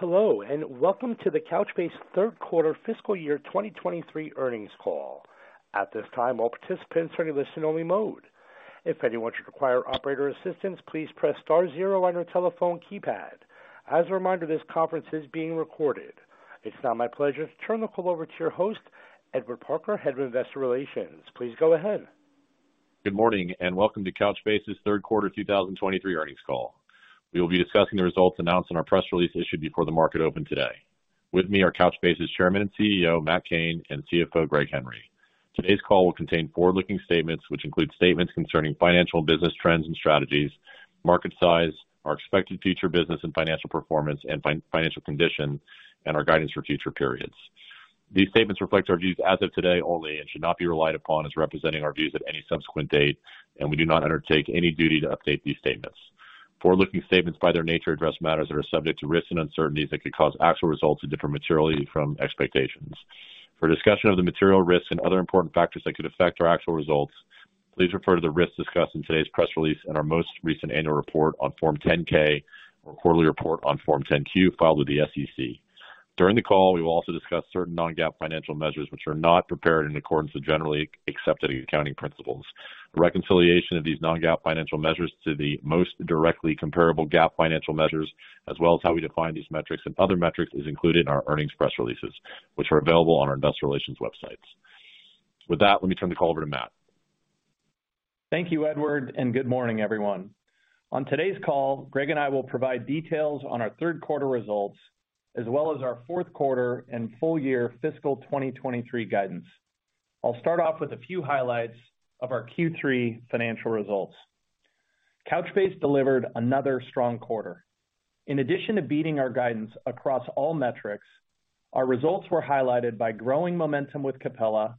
Hello, welcome to the Couchbase third quarter fiscal year 2023 earnings call. At this time, all participants are in listen-only mode. If anyone should require operator assistance, please press star zero on your telephone keypad. As a reminder, this conference is being recorded. It's now my pleasure to turn the call over to your host, Edward Parker, Head of Investor Relations. Please go ahead. Good morning, welcome to Couchbase's third quarter 2023 earnings call. We will be discussing the results announced in our press release issued before the market opened today. With me are Couchbase's Chairman and CEO, Matt Cain, and CFO, Greg Henry. Today's call will contain forward-looking statements, which include statements concerning financial business trends and strategies, market size, our expected future business and financial performance and financial condition, and our guidance for future periods. These statements reflect our views as of today only and should not be relied upon as representing our views at any subsequent date, we do not undertake any duty to update these statements. Forward-looking statements, by their nature, address matters that are subject to risks and uncertainties that could cause actual results to differ materially from expectations. For a discussion of the material risks and other important factors that could affect our actual results, please refer to the risks discussed in today's press release and our most recent annual report on Form 10-K or quarterly report on Form 10-Q filed with the SEC. During the call, we will also discuss certain non-GAAP financial measures, which are not prepared in accordance with generally accepted accounting principles. The reconciliation of these non-GAAP financial measures to the most directly comparable GAAP financial measures as well as how we define these metrics and other metrics is included in our earnings press releases, which are available on our investor relations websites. With that, let me turn the call over to Matt. Thank you, Edward. Good morning, everyone. On today's call, Greg and I will provide details on our third quarter results as well as our fourth quarter and full year fiscal 2023 guidance. I'll start off with a few highlights of our Q3 financial results. Couchbase delivered another strong quarter. In addition to beating our guidance across all metrics, our results were highlighted by growing momentum with Capella,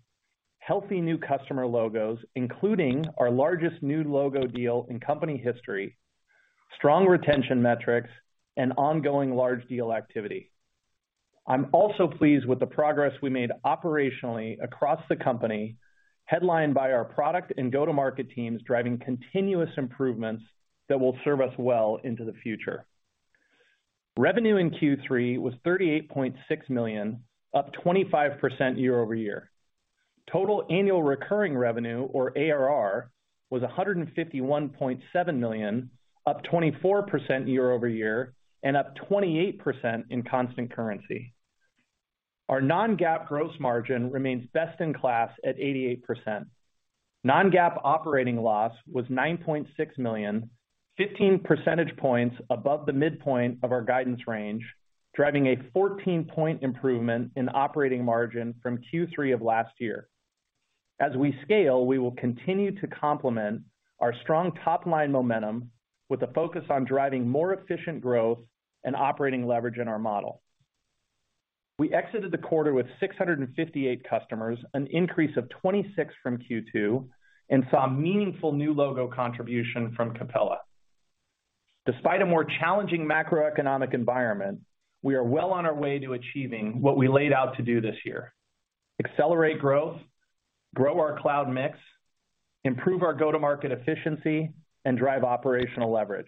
healthy new customer logos, including our largest new logo deal in company history, strong retention metrics, and ongoing large deal activity. I'm also pleased with the progress we made operationally across the company, headlined by our product and go-to-market teams driving continuous improvements that will serve us well into the future. Revenue in Q3 was $38.6 million, up 25% year-over-year. Total annual recurring revenue or ARR was $151.7 million, up 24% year-over-year and up 28% in constant currency. Our non-GAAP gross margin remains best in class at 88%. Non-GAAP operating loss was $9.6 million, 15 percentage points above the midpoint of our guidance range, driving a 14-point improvement in operating margin from Q3 of last year. As we scale, we will continue to complement our strong top-line momentum with a focus on driving more efficient growth and operating leverage in our model. We exited the quarter with 658 customers, an increase of 26 from Q2, and saw meaningful new logo contribution from Capella. Despite a more challenging macroeconomic environment, we are well on our way to achieving what we laid out to do this year: accelerate growth, grow our cloud mix, improve our go-to-market efficiency, and drive operational leverage.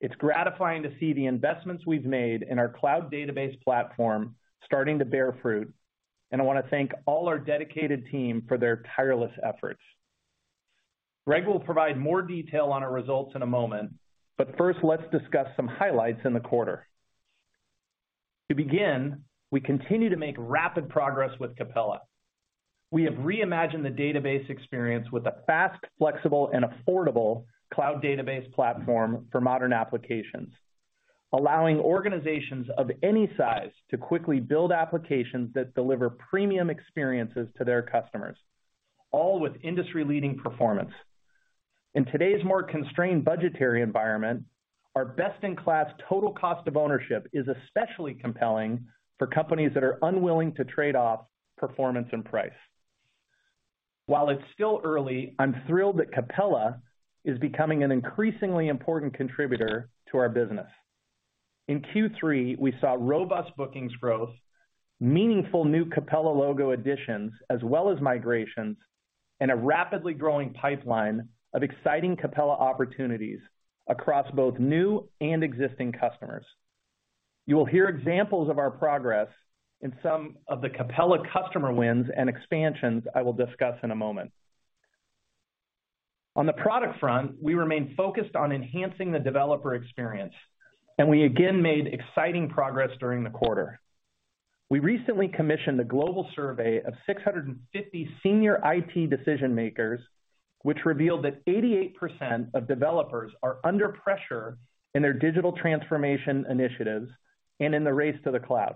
It's gratifying to see the investments we've made in our cloud database platform starting to bear fruit, and I wanna thank all our dedicated team for their tireless efforts. Greg will provide more detail on our results in a moment, but first, let's discuss some highlights in the quarter. To begin, we continue to make rapid progress with Capella. We have reimagined the database experience with a fast, flexible, and affordable cloud database platform for modern applications, allowing organizations of any size to quickly build applications that deliver premium experiences to their customers, all with industry-leading performance. In today's more constrained budgetary environment, our best-in-class total cost of ownership is especially compelling for companies that are unwilling to trade off performance and price. While it's still early, I'm thrilled that Capella is becoming an increasingly important contributor to our business. In Q3, we saw robust bookings growth, meaningful new Capella logo additions, as well as migrations, and a rapidly growing pipeline of exciting Capella opportunities across both new and existing customers. You will hear examples of our progress in some of the Capella customer wins and expansions I will discuss in a moment. On the product front, we remain focused on enhancing the developer experience. We again made exciting progress during the quarter. We recently commissioned a global survey of 650 senior IT decision-makers, which revealed that 88% of developers are under pressure in their digital transformation initiatives and in the race to the cloud.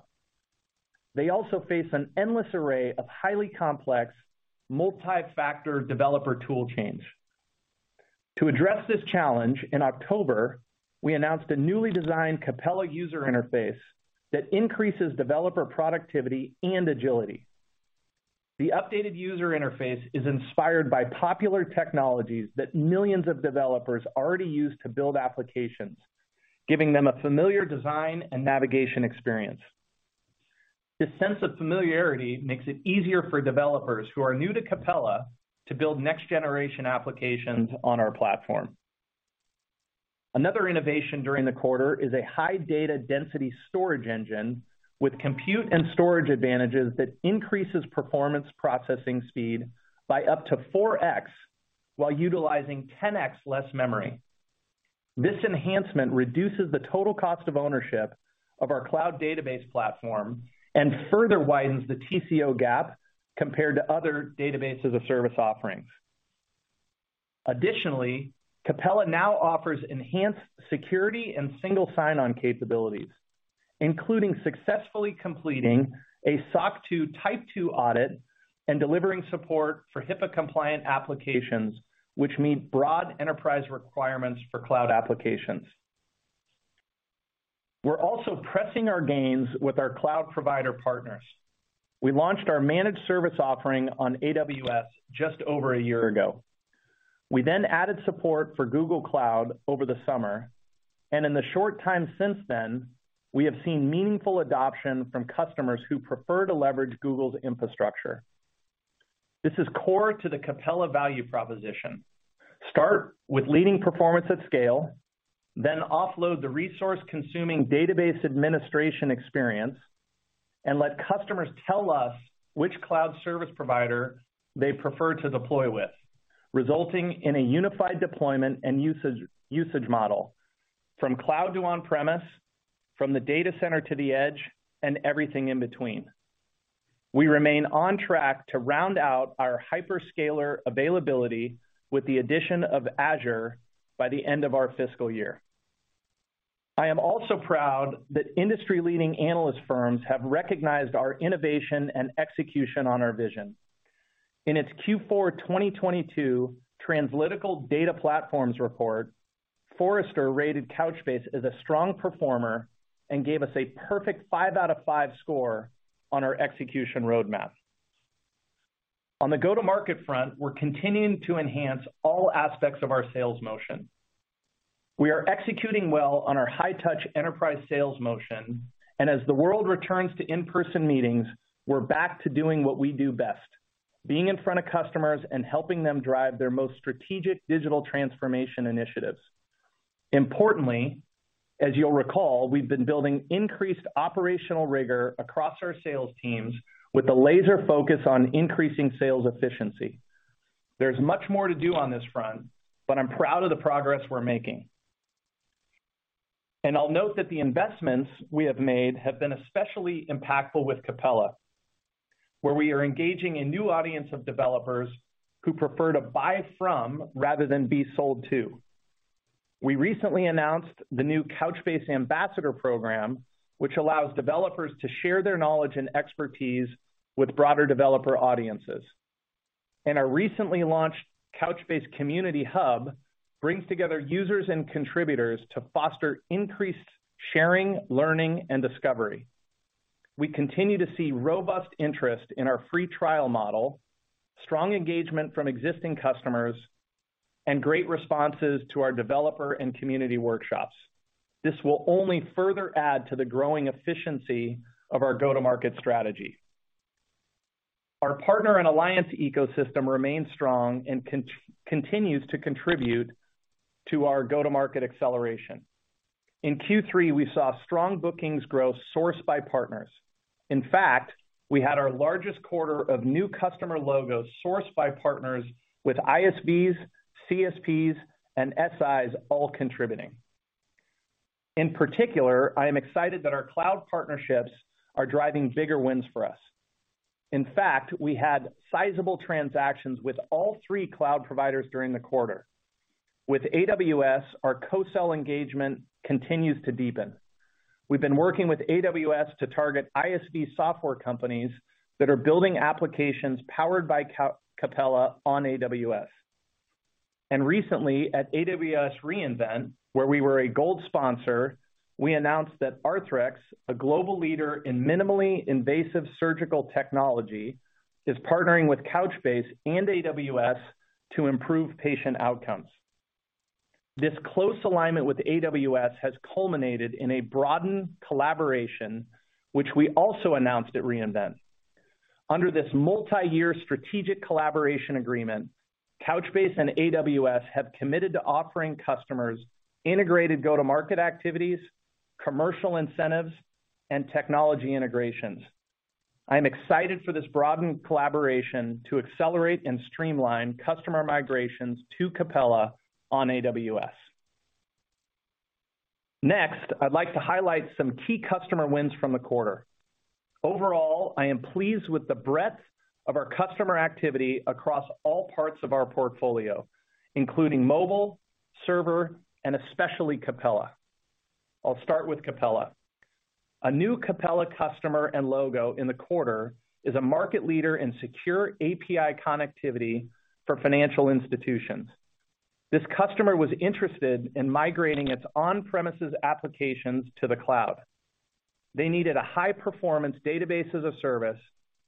They also face an endless array of highly complex, multi-factor developer tool chains. To address this challenge, in October, we announced a newly designed Capella user interface that increases developer productivity and agility. The updated user interface is inspired by popular technologies that millions of developers already use to build applications, giving them a familiar design and navigation experience. This sense of familiarity makes it easier for developers who are new to Capella to build next-generation applications on our platform. Another innovation during the quarter is a high data density storage engine with compute and storage advantages that increases performance processing speed by up to 4x while utilizing 10x less memory. This enhancement reduces the total cost of ownership of our cloud database platform and further widens the TCO gap compared to other Database as a Service offerings. Capella now offers enhanced security and single sign-on capabilities, including successfully completing a audit and delivering support for HIPAA-compliant applications, which meet broad enterprise requirements for cloud applications. We're also pressing our gains with our cloud provider partners. We launched our managed service offering on AWS just over a year ago. We added support for Google Cloud over the summer. In the short time since then, we have seen meaningful adoption from customers who prefer to leverage Google's infrastructure. This is core to the Capella value proposition. Start with leading performance at scale, Offload the resource-consuming database administration experience and let customers tell us which cloud service provider they prefer to deploy with, resulting in a unified deployment and usage model from cloud to on-premise, from the data center to the edge and everything in between. We remain on track to round out our hyperscaler availability with the addition of Azure by the end of our fiscal year. I am also proud that industry-leading analyst firms have recognized our innovation and execution on our vision. In its Q4 2022 Translytical Data Platforms report, Forrester rated Couchbase as a strong performer and gave us a perfect five out of five score on our execution roadmap. On the go-to-market front, we're continuing to enhance all aspects of our sales motion. We are executing well on our high-touch enterprise sales motion, and as the world returns to in-person meetings, we're back to doing what we do best, being in front of customers and helping them drive their most strategic digital transformation initiatives. Importantly, as you'll recall, we've been building increased operational rigor across our sales teams with a laser focus on increasing sales efficiency. There's much more to do on this front, but I'm proud of the progress we're making. I'll note that the investments we have made have been especially impactful with Capella, where we are engaging a new audience of developers who prefer to buy from rather than be sold to. We recently announced the new Couchbase Ambassador program, which allows developers to share their knowledge and expertise with broader developer audiences. Our recently launched Couchbase Community Hub brings together users and contributors to foster increased sharing, learning, and discovery. We continue to see robust interest in our free trial model, strong engagement from existing customers, and great responses to our developer and community workshops. This will only further add to the growing efficiency of our go-to-market strategy. Our partner and alliance ecosystem remains strong and continues to contribute to our go-to-market acceleration. In Q3, we saw strong bookings growth sourced by partners. In fact, we had our largest quarter of new customer logos sourced by partners with ISVs, CSPs, and SIs all contributing. In particular, I am excited that our cloud partnerships are driving bigger wins for us. In fact, we had sizable transactions with all three cloud providers during the quarter. With AWS, our co-sell engagement continues to deepen. We've been working with AWS to target ISV software companies that are building applications powered by Capella on AWS. Recently at AWS re:Invent, where we were a gold sponsor, we announced that Arthrex, a global leader in minimally invasive surgical technology, is partnering with Couchbase and AWS to improve patient outcomes. This close alignment with AWS has culminated in a broadened collaboration, which we also announced at re:Invent. Under this multiyear strategic collaboration agreement, Couchbase and AWS have committed to offering customers integrated go-to-market activities, commercial incentives, and technology integrations. I am excited for this broadened collaboration to accelerate and streamline customer migrations to Capella on AWS. Next, I'd like to highlight some key customer wins from the quarter. Overall, I am pleased with the breadth of our customer activity across all parts of our portfolio, including mobile, server, and especially Capella. I'll start with Capella. A new Capella customer and logo in the quarter is a market leader in secure API connectivity for financial institutions. This customer was interested in migrating its on-premises applications to the cloud. They needed a high-performance Database as a Service,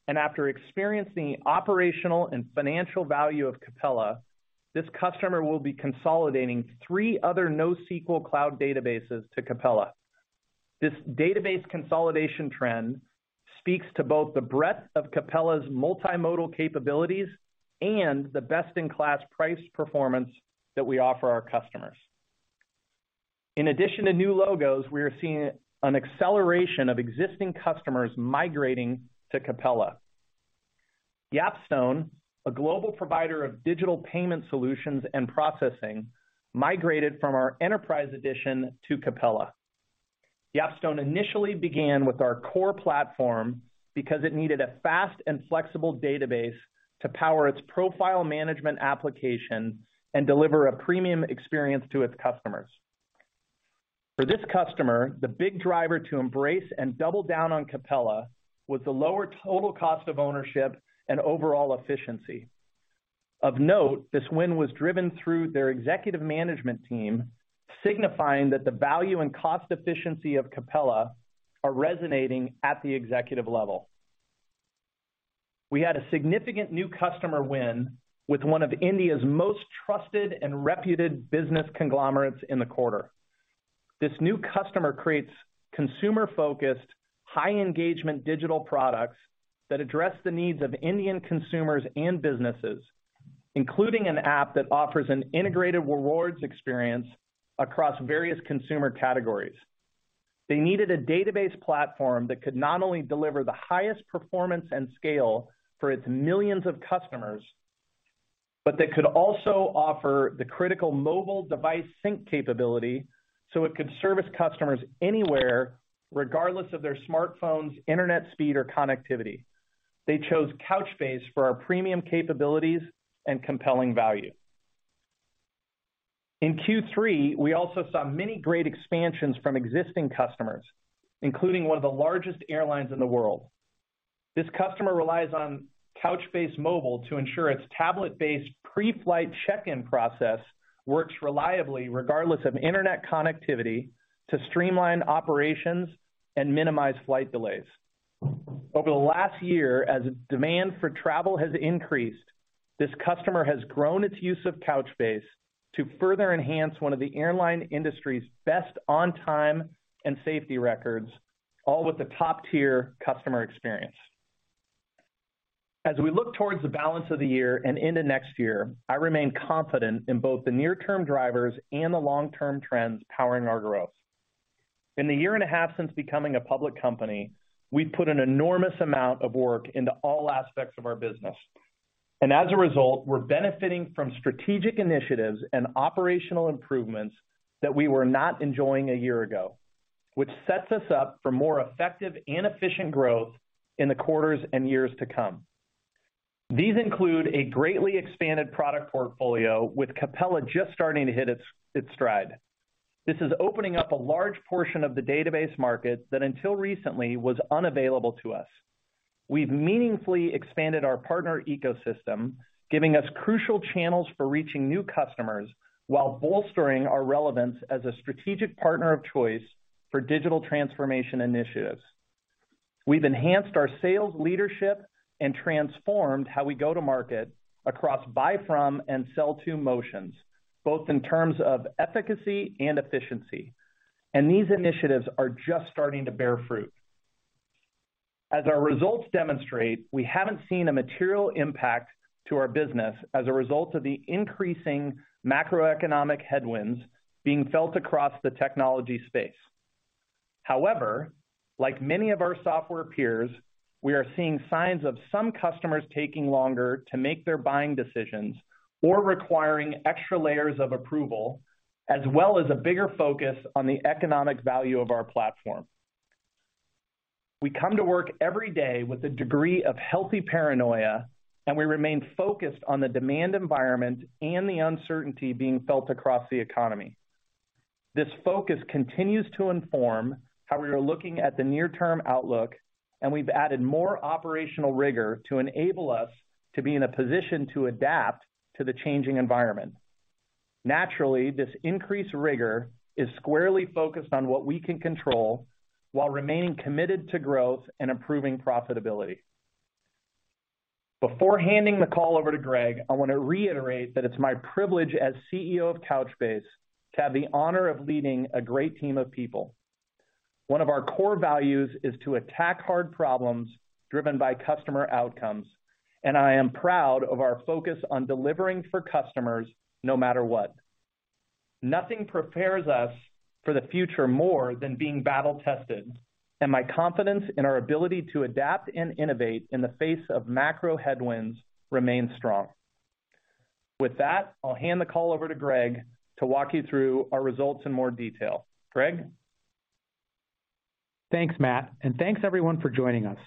and after experiencing operational and financial value of Capella. This customer will be consolidating three other NoSQL cloud databases to Capella. This database consolidation trend speaks to both the breadth of Capella's multimodal capabilities and the best-in-class price performance that we offer our customers. In addition to new logos, we are seeing an acceleration of existing customers migrating to Capella. Yapstone, a global provider of digital payment solutions and processing, migrated from our enterprise edition to Capella. Yapstone initially began with our core platform because it needed a fast and flexible database to power its profile management application and deliver a premium experience to its customers. For this customer, the big driver to embrace and double down on Capella was the lower total cost of ownership and overall efficiency. Of note, this win was driven through their executive management team, signifying that the value and cost efficiency of Capella are resonating at the executive level. We had a significant new customer win with one of India's most trusted and reputed business conglomerates in the quarter. This new customer creates consumer-focused, high-engagement digital products that address the needs of Indian consumers and businesses, including an app that offers an integrated rewards experience across various consumer categories. They needed a database platform that could not only deliver the highest performance and scale for its millions of customers, but that could also offer the critical mobile device sync capability so it could service customers anywhere, regardless of their smartphone's internet speed or connectivity. They chose Couchbase for our premium capabilities and compelling value. In Q3, we also saw many great expansions from existing customers, including one of the largest airlines in the world. This customer relies on Couchbase Mobile to ensure its tablet-based pre-flight check-in process works reliably, regardless of internet connectivity, to streamline operations and minimize flight delays. Over the last year, as demand for travel has increased, this customer has grown its use of Couchbase to further enhance one of the airline industry's best on-time and safety records, all with a top-tier customer experience. As we look towards the balance of the year and into next year, I remain confident in both the near-term drivers and the long-term trends powering our growth. In the year and a half since becoming a public company, we've put an enormous amount of work into all aspects of our business. As a result, we're benefiting from strategic initiatives and operational improvements that we were not enjoying a year ago, which sets us up for more effective and efficient growth in the quarters and years to come. These include a greatly expanded product portfolio, with Capella just starting to hit its stride. This is opening up a large portion of the database market that, until recently, was unavailable to us. We've meaningfully expanded our partner ecosystem, giving us crucial channels for reaching new customers while bolstering our relevance as a strategic partner of choice for digital transformation initiatives. We've enhanced our sales leadership and transformed how we go to market across buy from and sell to motions, both in terms of efficacy and efficiency. These initiatives are just starting to bear fruit. As our results demonstrate, we haven't seen a material impact to our business as a result of the increasing macroeconomic headwinds being felt across the technology space. However, like many of our software peers, we are seeing signs of some customers taking longer to make their buying decisions or requiring extra layers of approval, as well as a bigger focus on the economic value of our platform. We come to work every day with a degree of healthy paranoia, and we remain focused on the demand environment and the uncertainty being felt across the economy. This focus continues to inform how we are looking at the near-term outlook, and we've added more operational rigor to enable us to be in a position to adapt to the changing environment. Naturally, this increased rigor is squarely focused on what we can control while remaining committed to growth and improving profitability. Before handing the call over to Greg, I want to reiterate that it's my privilege as CEO of Couchbase to have the honor of leading a great team of people. One of our core values is to attack hard problems driven by customer outcomes, and I am proud of our focus on delivering for customers no matter what. Nothing prepares us for the future more than being battle-tested, and my confidence in our ability to adapt and innovate in the face of macro headwinds remains strong. With that, I'll hand the call over to Greg to walk you through our results in more detail. Greg? Thanks, Matt, and thanks everyone for joining us.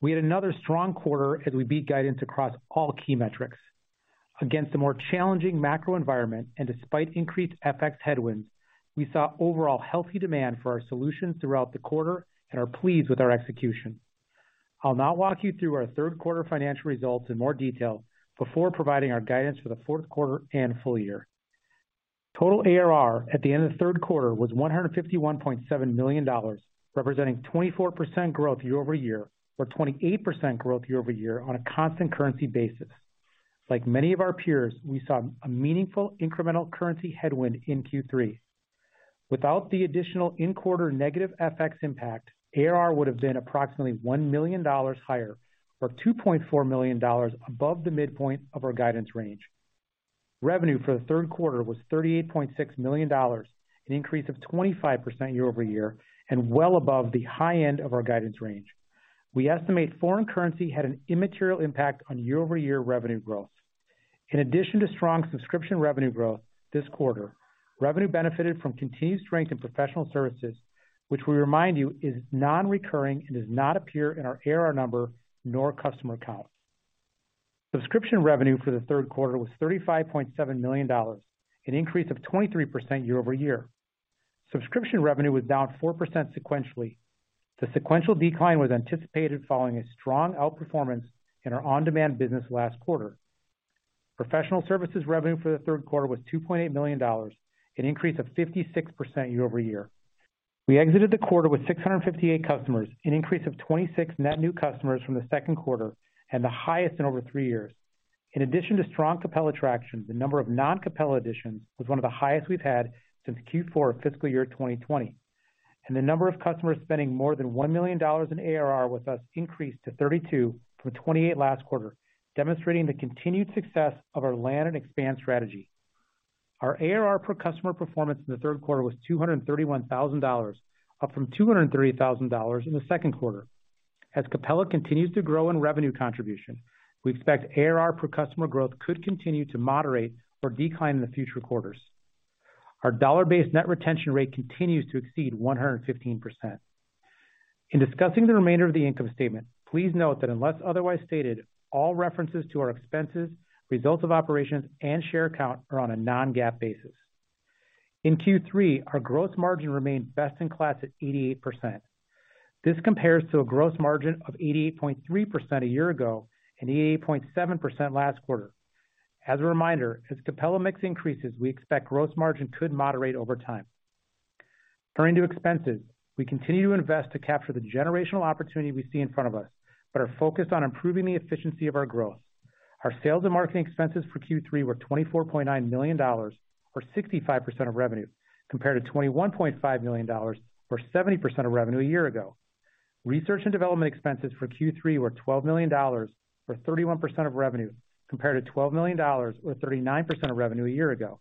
We had another strong quarter as we beat guidance across all key metrics. Against a more challenging macro environment and despite increased FX headwinds, we saw overall healthy demand for our solutions throughout the quarter and are pleased with our execution. I'll now walk you through our third quarter financial results in more detail before providing our guidance for the fourth quarter and full year. Total ARR at the end of the third quarter was $151.7 million, representing 24% growth year-over-year, or 28% growth year-over-year on a constant currency basis. Like many of our peers, we saw a meaningful incremental currency headwind in Q3. Without the additional in-quarter negative FX impact, ARR would have been approximately $1 million higher, or $2.4 million above the midpoint of our guidance range. Revenue for the third quarter was $38.6 million, an increase of 25% year-over-year and well above the high end of our guidance range. We estimate foreign currency had an immaterial impact on year-over-year revenue growth. In addition to strong subscription revenue growth this quarter, revenue benefited from continued strength in professional services, which we remind you, is non-recurring and does not appear in our ARR number nor customer count. Subscription revenue for the third quarter was $35.7 million, an increase of 23% year-over-year. Subscription revenue was down 4% sequentially. The sequential decline was anticipated following a strong outperformance in our on-demand business last quarter. Professional services revenue for the third quarter was $2.8 million, an increase of 56% year-over-year. We exited the quarter with 658 customers, an increase of 26 net new customers from the second quarter and the highest in over three years. In addition to strong Capella traction, the number of non-Capella additions was one of the highest we've had since Q4 of fiscal year 2020. The number of customers spending more than $1 million in ARR with us increased to 32 from 28 last quarter, demonstrating the continued success of our land and expand strategy. Our ARR per customer performance in the third quarter was $231,000, up from $230,000 in the second quarter. As Capella continues to grow in revenue contribution, we expect ARR per customer growth could continue to moderate or decline in the future quarters. Our dollar-based net retention rate continues to exceed 115%. In discussing the remainder of the income statement, please note that unless otherwise stated, all references to our expenses, results of operations, and share count are on a non-GAAP basis. In Q3, our gross margin remained best in class at 88%. This compares to a gross margin of 88.3% a year ago and 88.7% last quarter. As a reminder, as Capella mix increases, we expect gross margin could moderate over time. Turning to expenses, we continue to invest to capture the generational opportunity we see in front of us, but are focused on improving the efficiency of our growth. Our sales and marketing expenses for Q3 were $24.9 million, or 65% of revenue, compared to $21.5 million or 70% of revenue a year ago. Research and development expenses for Q3 were $12 million, or 31% of revenue, compared to $12 million or 39% of revenue a year ago.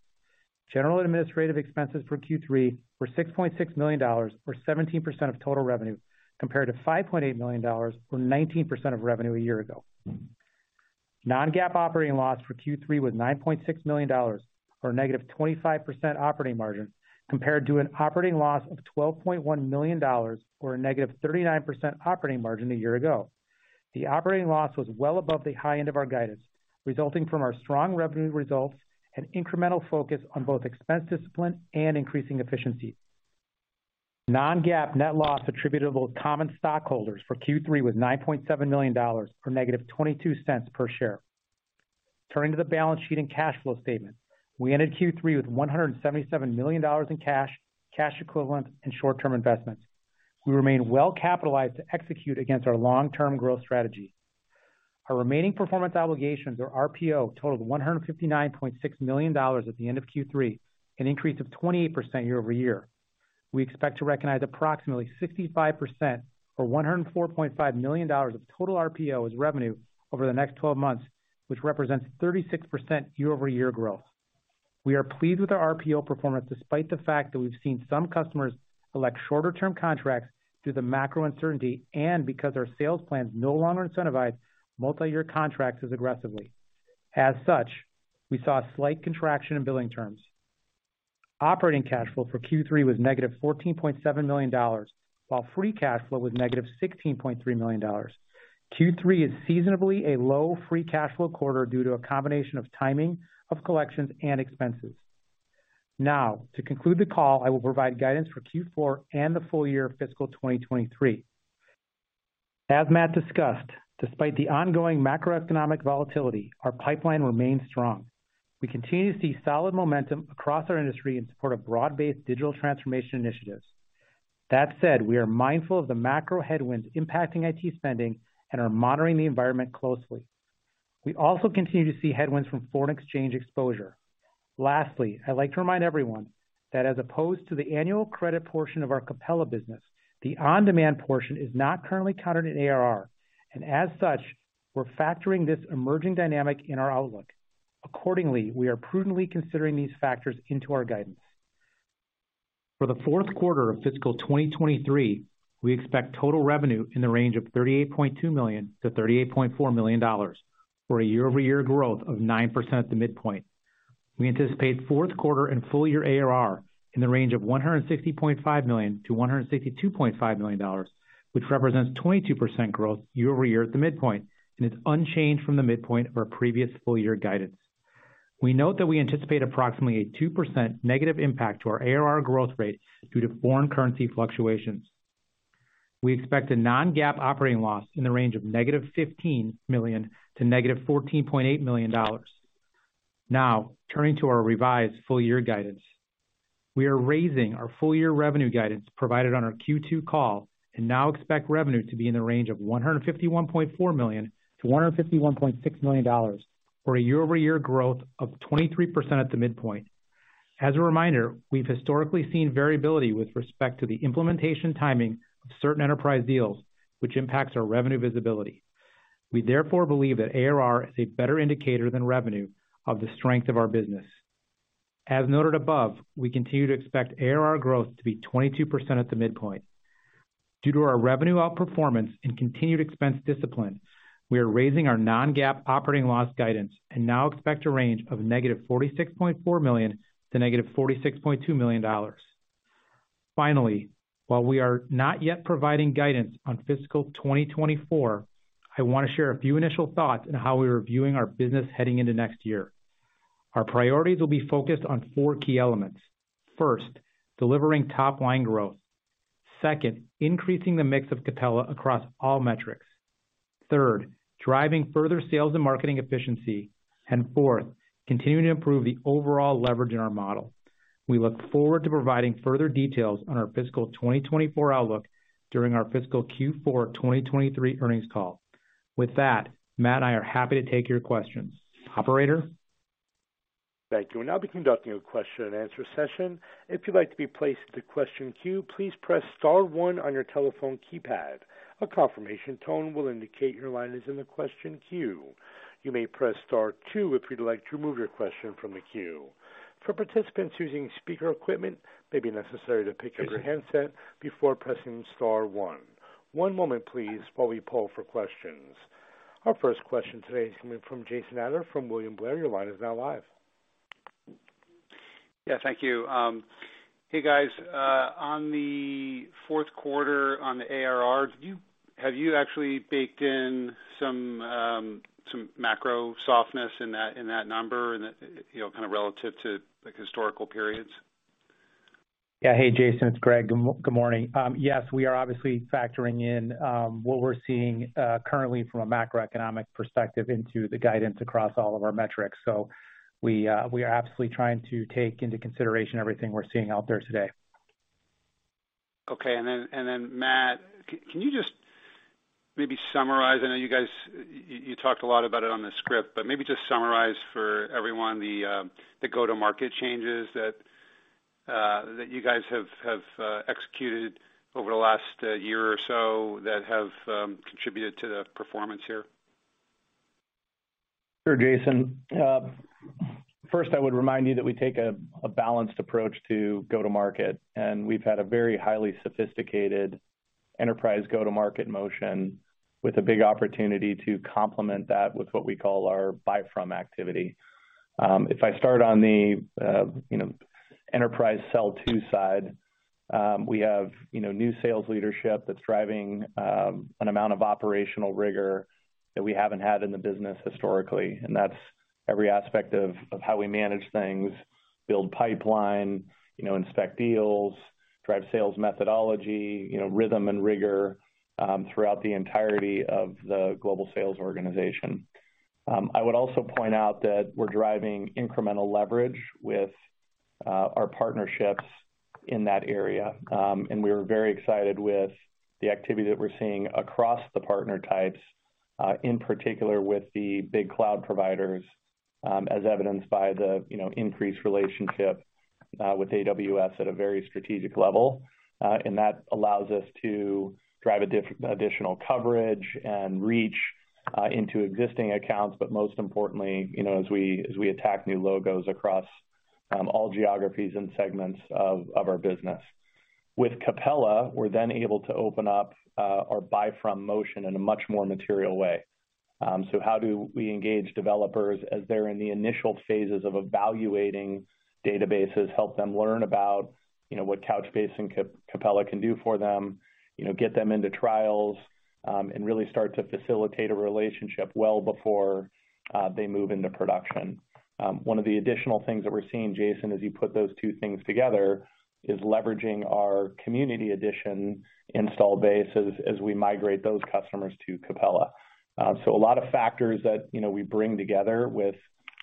General and administrative expenses for Q3 were $6.6 million, or 17% of total revenue, compared to $5.8 million, or 19% of revenue a year ago. Non-GAAP operating loss for Q3 was $9.6 million, or a negative 25% operating margin, compared to an operating loss of $12.1 million or a negative 39% operating margin a year ago. The operating loss was well above the high end of our guidance, resulting from our strong revenue results and incremental focus on both expense discipline and increasing efficiency. Non-GAAP net loss attributable to common stockholders for Q3 was $9.7 million or negative $0.22 per share. Turning to the balance sheet and cash flow statement. We ended Q3 with $177 million in cash equivalent and short-term investments. We remain well capitalized to execute against our long-term growth strategy. Our remaining performance obligations or RPO totaled $159.6 million at the end of Q3, an increase of 28% year-over-year. We expect to recognize approximately 65% or $104.5 million of total RPO as revenue over the next 12 months, which represents 36% year-over-year growth. We are pleased with our RPO performance, despite the fact that we've seen some customers elect shorter term contracts due to macro uncertainty and because our sales plans no longer incentivize multi-year contracts as aggressively. We saw a slight contraction in billing terms. Operating cash flow for Q3 was -$14.7 million, while free cash flow was -$16.3 million. Q3 is seasonably a low free cash flow quarter due to a combination of timing of collections and expenses. To conclude the call, I will provide guidance for Q4 and the full year fiscal 2023. Matt discussed, despite the ongoing macroeconomic volatility, our pipeline remains strong. We continue to see solid momentum across our industry in support of broad-based digital transformation initiatives. That said, we are mindful of the macro headwinds impacting IT spending and are monitoring the environment closely. We also continue to see headwinds from foreign exchange exposure. Lastly, I'd like to remind everyone that as opposed to the annual credit portion of our Capella business, the on-demand portion is not currently counted in ARR, and as such, we're factoring this emerging dynamic in our outlook. Accordingly, we are prudently considering these factors into our guidance. For the fourth quarter of fiscal 2023, we expect total revenue in the range of $38.2 million-$38.4 million, or a year-over-year growth of 9% at the midpoint. We anticipate fourth quarter and full year ARR in the range of $160.5 million-$162.5 million, which represents 22% growth year-over-year at the midpoint and is unchanged from the midpoint of our previous full year guidance. We note that we anticipate approximately a 2% negative impact to our ARR growth rate due to foreign currency fluctuations. We expect a non-GAAP operating loss in the range negative $15 million to negative $14.8 million. Turning to our revised full-year guidance. We are raising our full-year revenue guidance provided on our Q2 call and now expect revenue to be in the range of $151.4 million-$151.6 million, for a year-over-year growth of 23% at the midpoint. As a reminder, we've historically seen variability with respect to the implementation timing of certain enterprise deals, which impacts our revenue visibility. We therefore believe that ARR is a better indicator than revenue of the strength of our business. As noted above, we continue to expect ARR growth to be 22% at the midpoint. Due to our revenue outperformance and continued expense discipline, we are raising our non-GAAP operating loss guidance and now expect a range of -$46.4 million to -$46.2 million. While we are not yet providing guidance on fiscal 2024, I wanna share a few initial thoughts on how we are viewing our business heading into next year. Our priorities will be focused on four key elements. First, delivering top-line growth. Second, increasing the mix of Capella across all metrics. Third, driving further sales and marketing efficiency. Fourth, continuing to improve the overall leverage in our model. We look forward to providing further details on our fiscal 2024 outlook during our fiscal Q4 2023 earnings call. With that, Matt and I are happy to take your questions. Operator? Thank you. We'll now be conducting a question-and-answer session. If you'd like to be placed in the question queue, please press star one on your telephone keypad. A confirmation tone will indicate your line is in the question queue. You may press star two if you'd like to remove your question from the queue. For participants using speaker equipment, it may be necessary to pick up your handset before pressing star one. One moment, please, while we poll for questions. Our first question today is coming from Jason Ader from William Blair. Your line is now live. Yeah. Thank you. Hey, guys. On the fourth quarter on the ARR, have you actually baked in some macro softness in that, in that number and, you know, kinda relative to, like, historical periods? Hey, Jason, it's Greg. Good morning. Yes, we are obviously factoring in what we're seeing currently from a macroeconomic perspective into the guidance across all of our metrics. We are absolutely trying to take into consideration everything we're seeing out there today. Okay. Then Matt, can you just maybe summarize, I know you guys, you talked a lot about it on the script, but maybe just summarize for everyone the go-to-market changes that you guys have executed over the last year or so that have contributed to the performance here. Sure, Jason. first, I would remind you that we take a balanced approach to go-to-market, and we've had a very highly sophisticated enterprise go-to-market motion with a big opportunity to complement that with what we call our buy from activity. If I start on the, you know, enterprise sell to side, we have, you know, new sales leadership that's driving an amount of operational rigor that we haven't had in the business historically. That's every aspect of how we manage things, build pipeline, you know, inspect deals, drive sales methodology, you know, rhythm and rigor throughout the entirety of the global sales organization. I would also point out that we're driving incremental leverage with our partnerships in that area. We're very excited with the activity that we're seeing across the partner types, in particular with the big cloud providers, as evidenced by the, you know, increased relationship with AWS at a very strategic level. That allows us to drive additional coverage and reach into existing accounts, but most importantly, you know, as we attack new logos across all geographies and segments of our business. With Capella, we're able to open up our buy from motion in a much more material way. How do we engage developers as they're in the initial phases of evaluating databases, help them learn about, you know, what Couchbase and Capella can do for them, you know, get them into trials, and really start to facilitate a relationship well before they move into production. One of the additional things that we're seeing, Jason, as you put those two things together, is leveraging our community edition install base as we migrate those customers to Capella. A lot of factors that, you know, we bring together with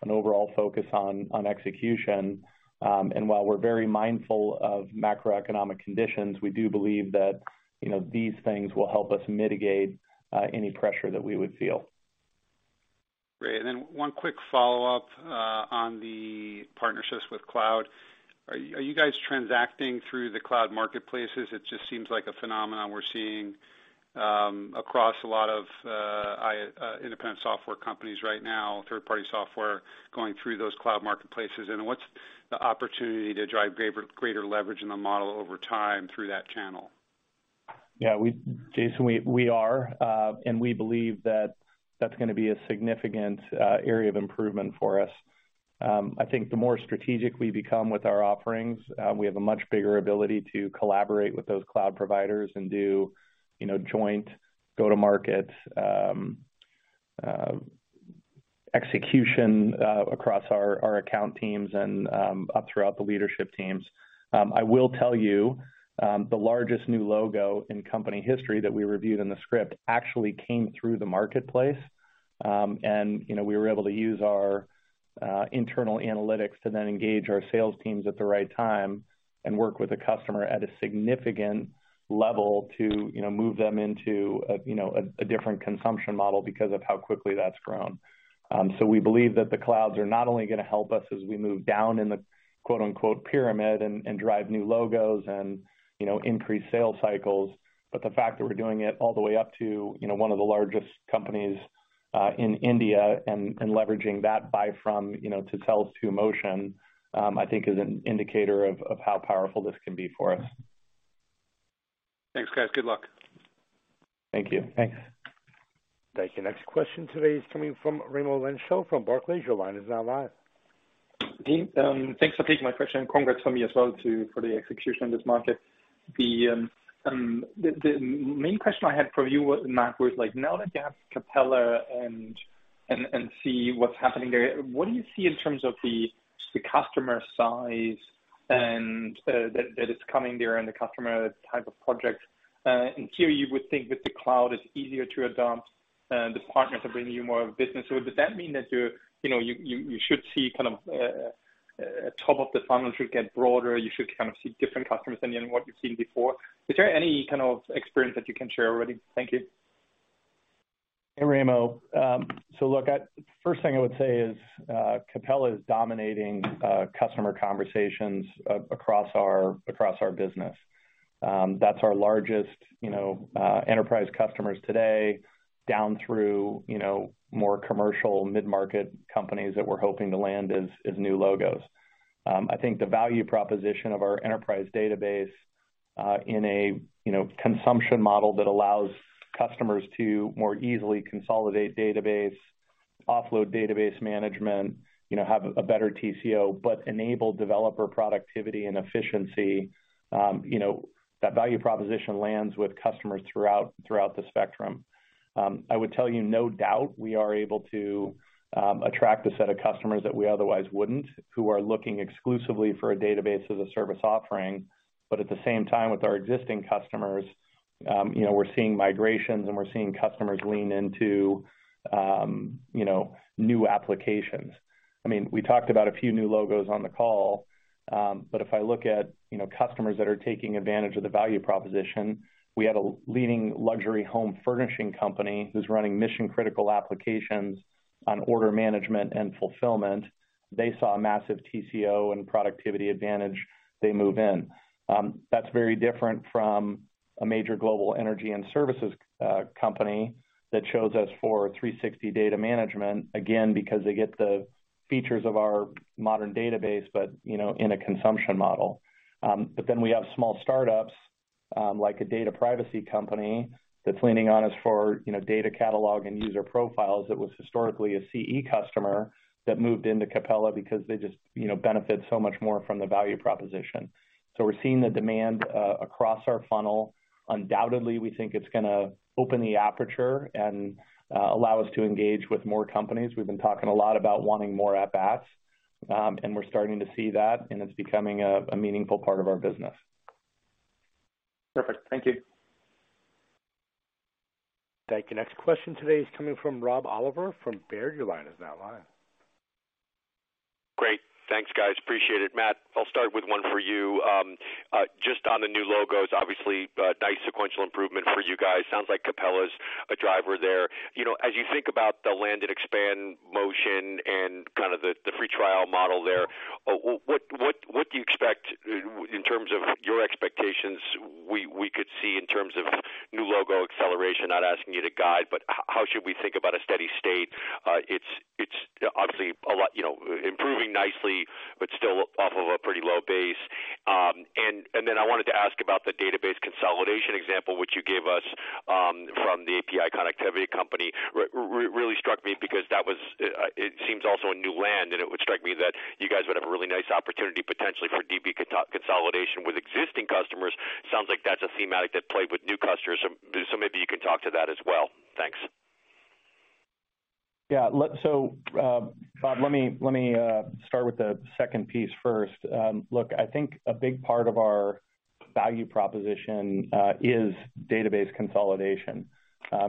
an overall focus on execution. While we're very mindful of macroeconomic conditions, we do believe that, you know, these things will help us mitigate, any pressure that we would feel. Great. Then one quick follow-up on the partnerships with cloud. Are you guys transacting through the cloud marketplaces? It just seems like a phenomenon we're seeing across a lot of independent software companies right now, third-party software going through those cloud marketplaces. What's the opportunity to drive greater leverage in the model over time through that channel? Jason, we are. We believe that that's gonna be a significant area of improvement for us. I think the more strategic we become with our offerings, we have a much bigger ability to collaborate with those cloud providers and do, you know, joint go-to-markets, execution, across our account teams and up throughout the leadership teams. I will tell you, the largest new logo in company history that we reviewed in the script actually came through the marketplace. You know, we were able to use our internal analytics to then engage our sales teams at the right time and work with a customer at a significant level to, you know, move them into a, you know, a different consumption model because of how quickly that's grown. We believe that the clouds are not only gonna help us as we move down in the quote-unquote pyramid and drive new logos and, you know, increase sales cycles, but the fact that we're doing it all the way up to, you know, one of the largest companies in India and leveraging that buy from, you know, to sell to motion, I think is an indicator of how powerful this can be for us. Thanks, guys. Good luck. Thank you. Thanks. Thank you. Next question today is coming from Raimo Lenschow from Barclays. Your line is now live. Dean, thanks for taking my question, and congrats for me as well for the execution of this market. The main question I had for you Matt, was like, now that you have Capella and see what's happening there, what do you see in terms of the customer size and that is coming there and the customer type of projects? Here you would think that the cloud is easier to adopt, the partners are bringing you more business. Does that mean that you're, you know, you should see kind of top of the funnel should get broader, you should kind of see different customers than what you've seen before? Is there any kind of experience that you can share already? Thank you. Hey, Raimo. Look, first thing I would say is Capella is dominating customer conversations across our business. That's our largest, you know, enterprise customers today down through, you know, more commercial mid-market companies that we're hoping to land as new logos. I think the value proposition of our enterprise database in a, you know, consumption model that allows customers to more easily consolidate database, offload database management, you know, have a better TCO, but enable developer productivity and efficiency, you know, that value proposition lands with customers throughout the spectrum. I would tell you, no doubt, we are able to attract a set of customers that we otherwise wouldn't, who are looking exclusively for a Database as a Service offering. At the same time, with our existing customers, you know, we're seeing migrations, and we're seeing customers lean into, you know, new applications. I mean, we talked about a few new logos on the call, but if I look at, you know, customers that are taking advantage of the value proposition, we had a leading luxury home furnishing company who's running mission-critical applications on order management and fulfillment. They saw a massive TCO and productivity advantage. They move in. That's very different from a major global energy and services company that chose us for 360 data management. Again, because they get the features of our modern database, but, you know, in a consumption model. We have small startups, like a data privacy company that's leaning on us for, you know, data catalog and user profiles that was historically a CE customer that moved into Capella because they just, you know, benefit so much more from the value proposition. We're seeing the demand across our funnel. Undoubtedly, we think it's gonna open the aperture and allow us to engage with more companies. We've been talking a lot about wanting more at-bats, and we're starting to see that, and it's becoming a meaningful part of our business. Perfect. Thank you. Thank you. Next question today is coming from Rob Oliver from Baird. Your line is now live. Great. Thanks, guys. Appreciate it. Matt, I'll start with one for you. just on the new logos, obviously, nice sequential improvement for you guys. Sounds like Capella's a driver there. You know, as you think about the land and expand motion and kind of the free trial model there, what do you expect in terms of your expectations, we could see in terms of new logo acceleration? Not asking you to guide, but how should we think about a steady state? it's obviously a lot, you know, improving nicely, but still off of a pretty low base. Then I wanted to ask about the database consolidation example which you gave us, from the API connectivity company. Really struck me because that was, it seems also a new land, and it would strike me that you guys would have a really nice opportunity potentially for DB consolidation with existing customers. Sounds like that's a thematic that played with new customers, so maybe you can talk to that as well. Thanks. Rob, let me start with the second piece first. Look, I think a big part of our value proposition is database consolidation.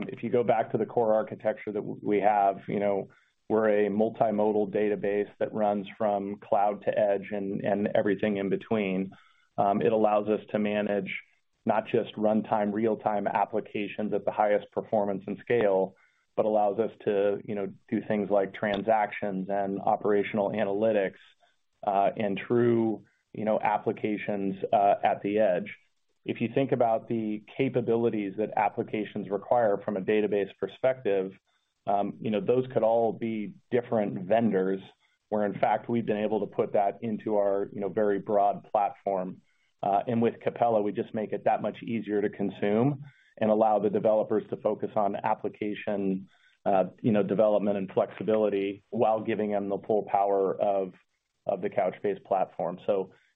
If you go back to the core architecture that we have, you know, we're a multimodal database that runs from cloud to edge and everything in between. It allows us to manage not just runtime, real-time applications at the highest performance and scale, but allows us to, you know, do things like transactions and operational analytics and true, you know, applications at the edge. If you think about the capabilities that applications require from a database perspective, you know, those could all be different vendors, where in fact, we've been able to put that into our, you know, very broad platform. With Capella, we just make it that much easier to consume and allow the developers to focus on application, you know, development and flexibility while giving them the full power of the Couchbase platform.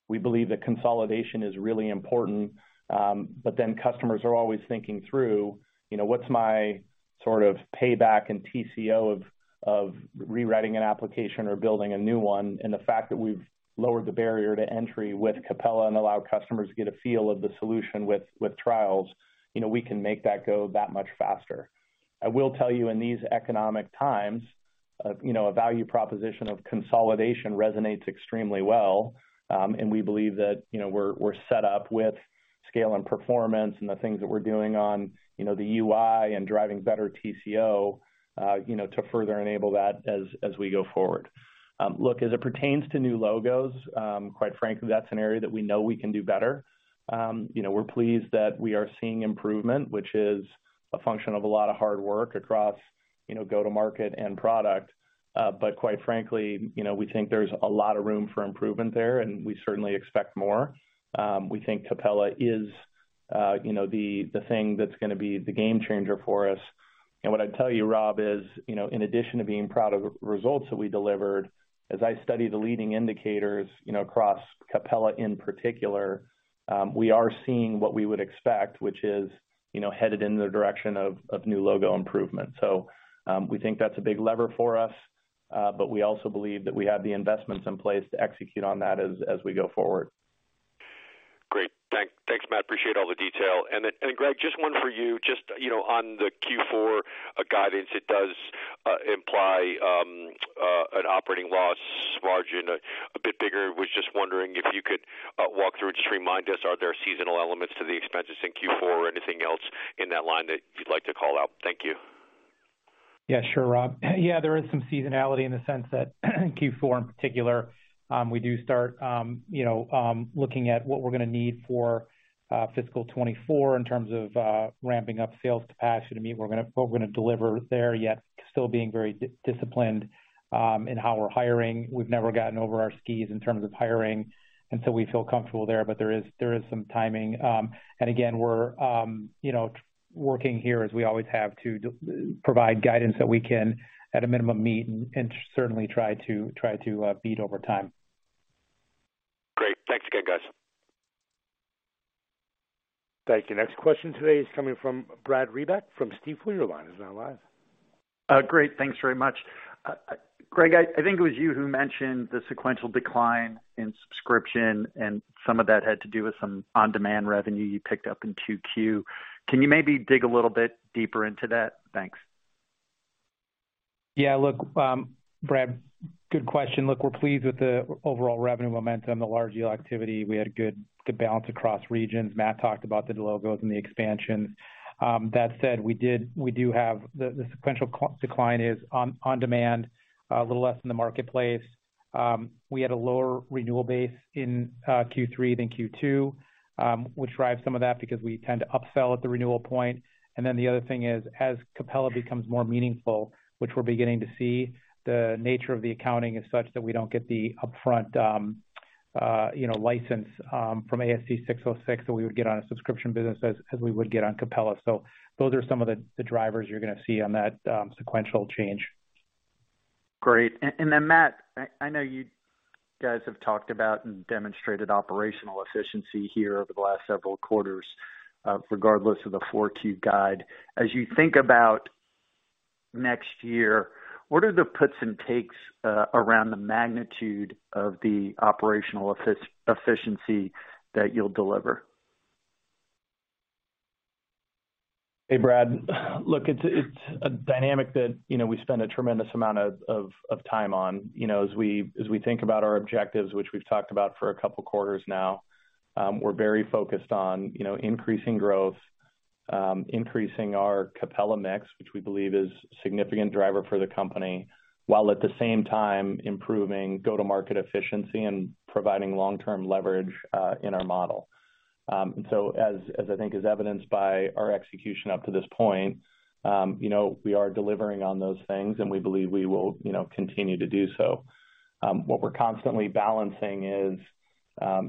We believe that consolidation is really important. Customers are always thinking through, you know, what's my sort of payback and TCO of rewriting an application or building a new one, and the fact that we've lowered the barrier to entry with Capella and allowed customers to get a feel of the solution with trials, you know, we can make that go that much faster. I will tell you in these economic times, you know, a value proposition of consolidation resonates extremely well, and we believe that, you know, we're set up with scale and performance and the things that we're doing on, you know, the UI and driving better TCO, you know, to further enable that as we go forward. Look, as it pertains to new logos, quite frankly, that's an area that we know we can do better. You know, we're pleased that we are seeing improvement, which is a function of a lot of hard work across, you know, go-to-market and product. But quite frankly, you know, we think there's a lot of room for improvement there, and we certainly expect more. We think Capella is, you know, the thing that's gonna be the game changer for us. What I'd tell you, Rob, is, you know, in addition to being proud of the results that we delivered, as I study the leading indicators, you know, across Capella in particular, we are seeing what we would expect, which is, you know, headed in the direction of new logo improvement. We think that's a big lever for us, but we also believe that we have the investments in place to execute on that as we go forward. Great. Thanks, Matt. Appreciate all the detail. Greg, just one for you. Just, you know, on the Q4 guidance, it does imply an operating loss margin a bit bigger. Was just wondering if you could walk through, just remind us, are there seasonal elements to the expenses in Q4 or anything else in that line that you'd like to call out? Thank you. Yeah, sure, Rob. Yeah, there is some seasonality in the sense that Q4 in particular, we do start, you know, looking at what we're gonna need for fiscal 2024 in terms of ramping up sales capacity to meet what we're gonna deliver there, yet still being very disciplined in how we're hiring. We've never gotten over our skis in terms of hiring. We feel comfortable there. There is some timing. Again, we're, you know, working here, as we always have, to provide guidance that we can, at a minimum, meet and certainly try to beat over time. Great. Thanks again, guys. Thank you. Next question today is coming from Brad Reback from Stifel Nicolaus, now live. Great. Thanks very much. Greg, I think it was you who mentioned the sequential decline in subscription, and some of that had to do with some on-demand revenue you picked up in 2Q. Can you maybe dig a little bit deeper into that? Thanks. Brad, good question. We're pleased with the overall revenue momentum, the large deal activity. We had a good balance across regions. Matt talked about the new logos and the expansions. That said, we do have the sequential decline is on demand, a little less in the marketplace. We had a lower renewal base in Q3 than Q2, which drives some of that because we tend to upsell at the renewal point. The other thing is, as Capella becomes more meaningful, which we're beginning to see, the nature of the accounting is such that we don't get the upfront, you know, license from ASC 606 that we would get on a subscription business as we would get on Capella. Those are some of the drivers you're gonna see on that sequential change. Great. Then, Matt, I know you guys have talked about and demonstrated operational efficiency here over the last several quarters, regardless of the 4Q guide. As you think about next year, what are the puts and takes, around the magnitude of the operational efficiency that you'll deliver? Hey, Brad. Look, it's a dynamic that, you know, we spend a tremendous amount of time on. You know, as we think about our objectives, which we've talked about for a couple quarters now, we're very focused on, you know, increasing growth, increasing our Capella mix, which we believe is a significant driver for the company, while at the same time improving go-to-market efficiency and providing long-term leverage in our model. As I think is evidenced by our execution up to this point, you know, we are delivering on those things, and we believe we will, you know, continue to do so. What we're constantly balancing is,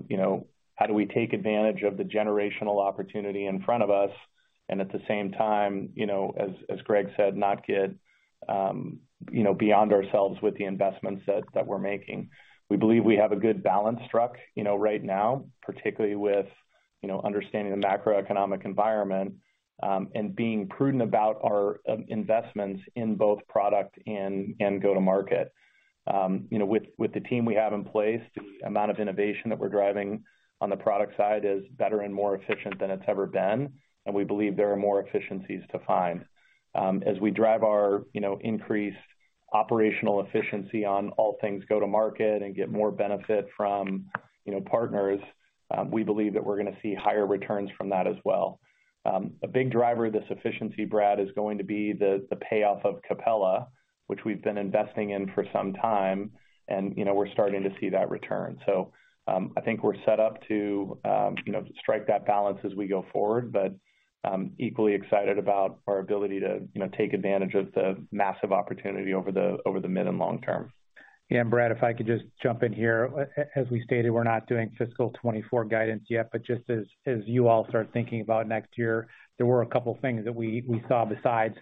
you know, how do we take advantage of the generational opportunity in front of us and at the same time, you know, as Greg said, not get, you know, beyond ourselves with the investments that we're making. We believe we have a good balance struck, you know, right now, particularly with, you know, understanding the macroeconomic environment, and being prudent about our investments in both product and go-to-market. You know, with the team we have in place, the amount of innovation that we're driving on the product side is better and more efficient than it's ever been, and we believe there are more efficiencies to find. As we drive our, you know, increased operational efficiency on all things go-to-market and get more benefit from, you know, partners, we believe that we're gonna see higher returns from that as well. A big driver of this efficiency, Brad, is going to be the payoff of Capella, which we've been investing in for some time, and, you know, we're starting to see that return. I think we're set up to, you know, strike that balance as we go forward, but I'm equally excited about our ability to, you know, take advantage of the massive opportunity over the, over the mid and long term. Brad, if I could just jump in here. As we stated, we're not doing fiscal 2024 guidance yet, just as you all start thinking about next year, there were a couple things that we saw besides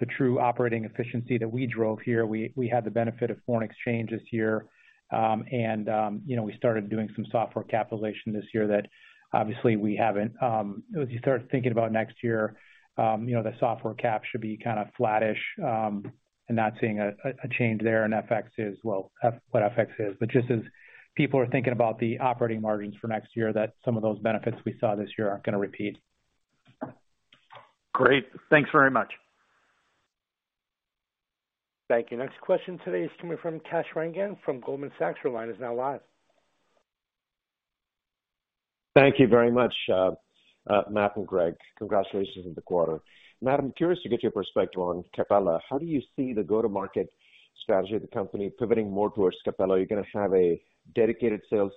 the true operating efficiency that we drove here. We had the benefit of foreign exchange this year, and, you know, we started doing some software capitalization this year that obviously we haven't. As you start thinking about next year, you know, the software cap should be kind of flattish, and not seeing a change there, and FX is, well, what FX is. Just as people are thinking about the operating margins for next year, some of those benefits we saw this year aren't gonna repeat. Great. Thanks very much. Thank you. Next question today is coming from Kash Rangan from Goldman Sachs. Your line is now live. Thank you very much, Matt and Greg. Congratulations on the quarter. Matt, I'm curious to get your perspective on Capella. How do you see the go-to-market strategy of the company pivoting more towards Capella? Are you gonna have a dedicated sales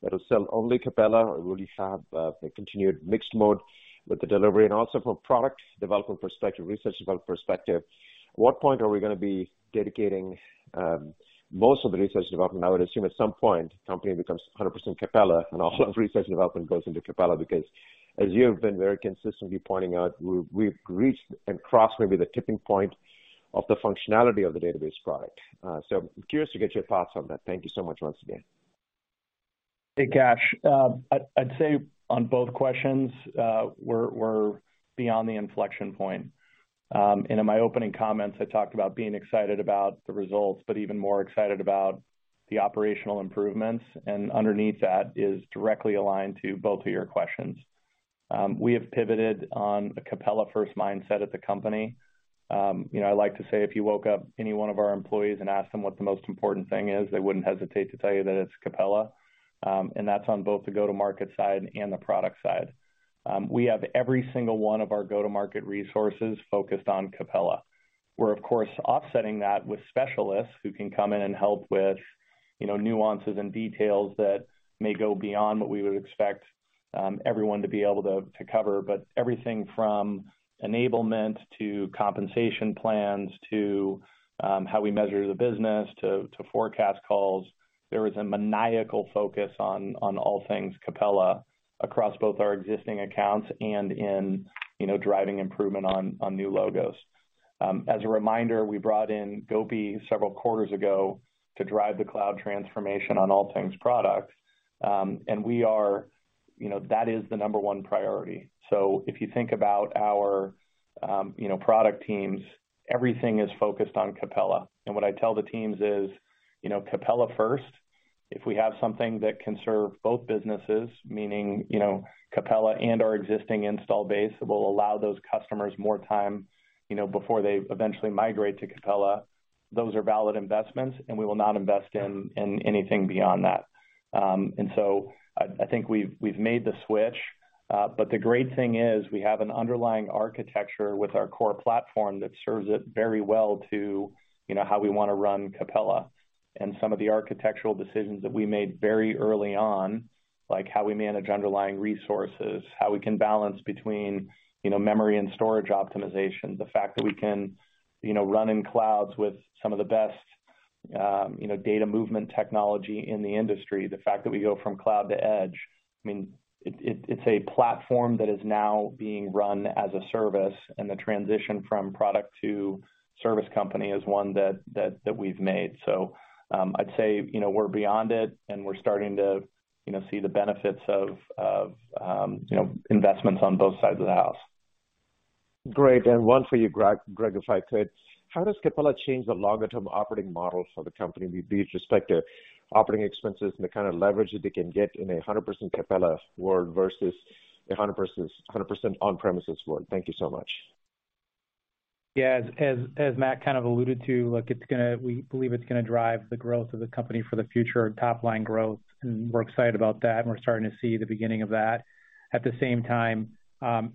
that'll sell only Capella or will you have a continued mixed mode with the delivery? From a product development perspective, research development perspective, what point are we gonna be dedicating most of the research development? I would assume at some point company becomes 100% Capella and all of research and development goes into Capella, because as you have been very consistently pointing out, we've reached and crossed maybe the tipping point of the functionality of the database product. I'm curious to get your thoughts on that. Thank you so much once again. Hey, Kash. I'd say on both questions, we're beyond the inflection point. In my opening comments, I talked about being excited about the results, but even more excited about the operational improvements, and underneath that is directly aligned to both of your questions. We have pivoted on a Capella-first mindset at the company. You know, I like to say, if you woke up any one of our employees and asked them what the most important thing is, they wouldn't hesitate to tell you that it's Capella. That's on both the go-to-market side and the product side. We have every single one of our go-to-market resources focused on Capella. We're of course offsetting that with specialists who can come in and help with, you know, nuances and details that may go beyond what we would expect, everyone to be able to cover. Everything from enablement to compensation plans, to, how we measure the business to forecast calls, there is a maniacal focus on all things Capella across both our existing accounts and in, you know, driving improvement on new logos. As a reminder, we brought in Gopi several quarters ago to drive the cloud transformation on all things products. We are. You know, that is the number one priority. If you think about our, you know, product teams, everything is focused on Capella. What I tell the teams is, you know, Capella first. If we have something that can serve both businesses, meaning, you know, Capella and our existing install base, that will allow those customers more time, you know, before they eventually migrate to Capella, those are valid investments, and we will not invest in anything beyond that. I think we've made the switch. The great thing is we have an underlying architecture with our core platform that serves it very well to, you know, how we wanna run Capella. Some of the architectural decisions that we made very early on, like how we manage underlying resources, how we can balance between, you know, memory and storage optimization, the fact that we can, you know, run in clouds with some of the best, you know, data movement technology in the industry, the fact that we go from cloud to edge. I mean, it's a platform that is now being run as a service. The transition from product to service company is one that we've made. I'd say, you know, we're beyond it and we're starting to, you know, see the benefits of, you know, investments on both sides of the house. Great. One for you, Greg, if I could. How does Capella change the longer term operating model for the company with respect to operating expenses and the kind of leverage that they can get in a 100% Capella world versus a 100% on-premises world? Thank you so much. Yeah. As Matt kind of alluded to, look, it's gonna drive the growth of the company for the future top line growth, and we're excited about that, and we're starting to see the beginning of that. At the same time,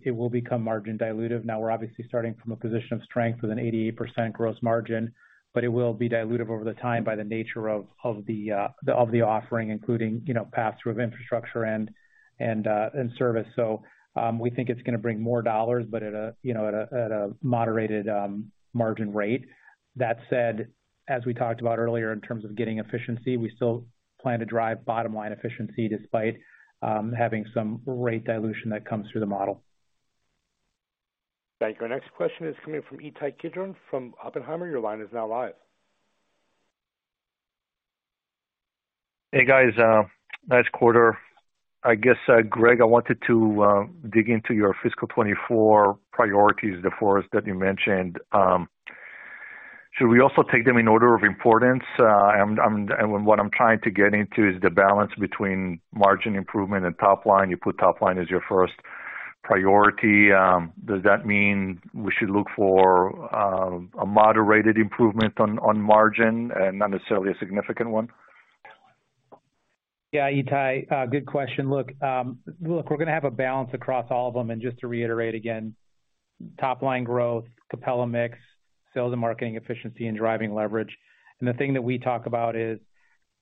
it will become margin dilutive. We're obviously starting from a position of strength with an 88% gross margin, but it will be dilutive over the time by the nature of the offering, including, you know, pass through of infrastructure and service. We think it's gonna bring more dollars, but at a, you know, at a moderated margin rate. That said, as we talked about earlier in terms of getting efficiency, we still plan to drive bottom line efficiency despite having some rate dilution that comes through the model. Thank you. Our next question is coming from Ittai Kidron from Oppenheimer. Your line is now live. Hey, guys, nice quarter. I guess, Greg, I wanted to dig into your fiscal 24 priorities, the four that you mentioned. Should we also take them in order of importance? What I'm trying to get into is the balance between margin improvement and top line. You put top line as your first priority. Does that mean we should look for a moderated improvement on margin and not necessarily a significant one? Yeah. Ittai, good question. Look, we're gonna have a balance across all of them. Just to reiterate again, top line growth, Capella mix, sales and marketing efficiency and driving leverage. The thing that we talk about,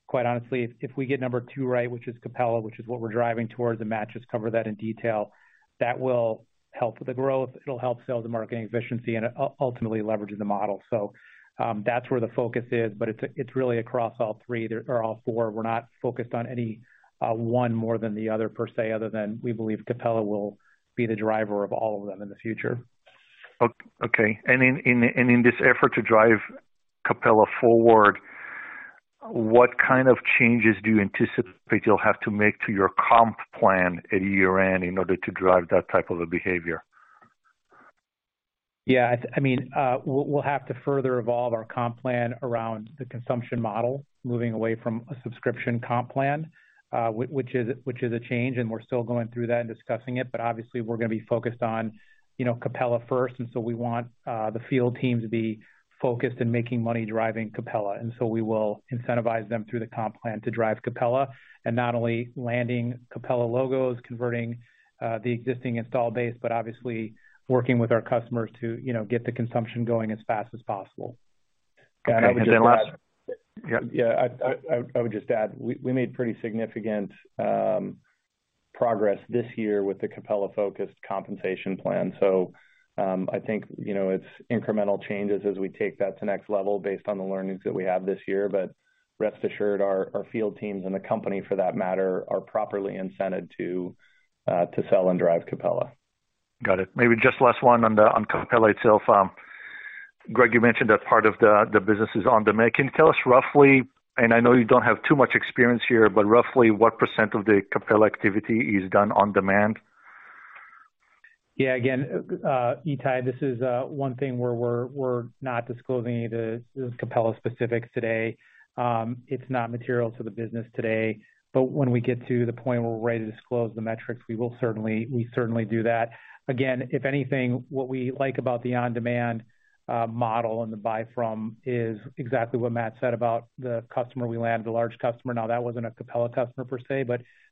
quite honestly, if we get number two right, which is Capella, which is what we're driving towards, and Matt just covered that in detail, that will help with the growth, it'll help sales and marketing efficiency and ultimately leveraging the model. That's where the focus is, but it's really across all three or all four. We're not focused on any one more than the other per se, other than we believe Capella will be the driver of all of them in the future. Okay. In this effort to drive Capella forward, what kind of changes do you anticipate you'll have to make to your comp plan at year-end in order to drive that type of a behavior? Yeah, I mean, we'll have to further evolve our comp plan around the consumption model, moving away from a subscription comp plan, which is a change, and we're still going through that and discussing it. Obviously we're gonna be focused on, you know, Capella first, so we want the field team to be focused in making money driving Capella. So we will incentivize them through the comp plan to drive Capella, and not only landing Capella logos, converting the existing install base, but obviously working with our customers to, you know, get the consumption going as fast as possible. Okay. then last- Yeah. I would just add, we made pretty significant progress this year with the Capella-focused compensation plan. I think, you know, it's incremental changes as we take that to next level based on the learnings that we have this year. rest assured our field teams and the company for that matter are properly incented to sell and drive Capella. Got it. Maybe just last one on the, on Capella itself. Greg, you mentioned that part of the business is on-demand. Can you tell us roughly, and I know you don't have too much experience here, but roughly what % of the Capella activity is done on demand? Again, Ittai, this is one thing where we're not disclosing any the Capella specifics today. It's not material to the business today, when we get to the point where we're ready to disclose the metrics, we certainly do that. Again, if anything, what we like about the on-demand model and the buy from is exactly what Matt said about the customer. We landed a large customer. That wasn't a Capella customer per se,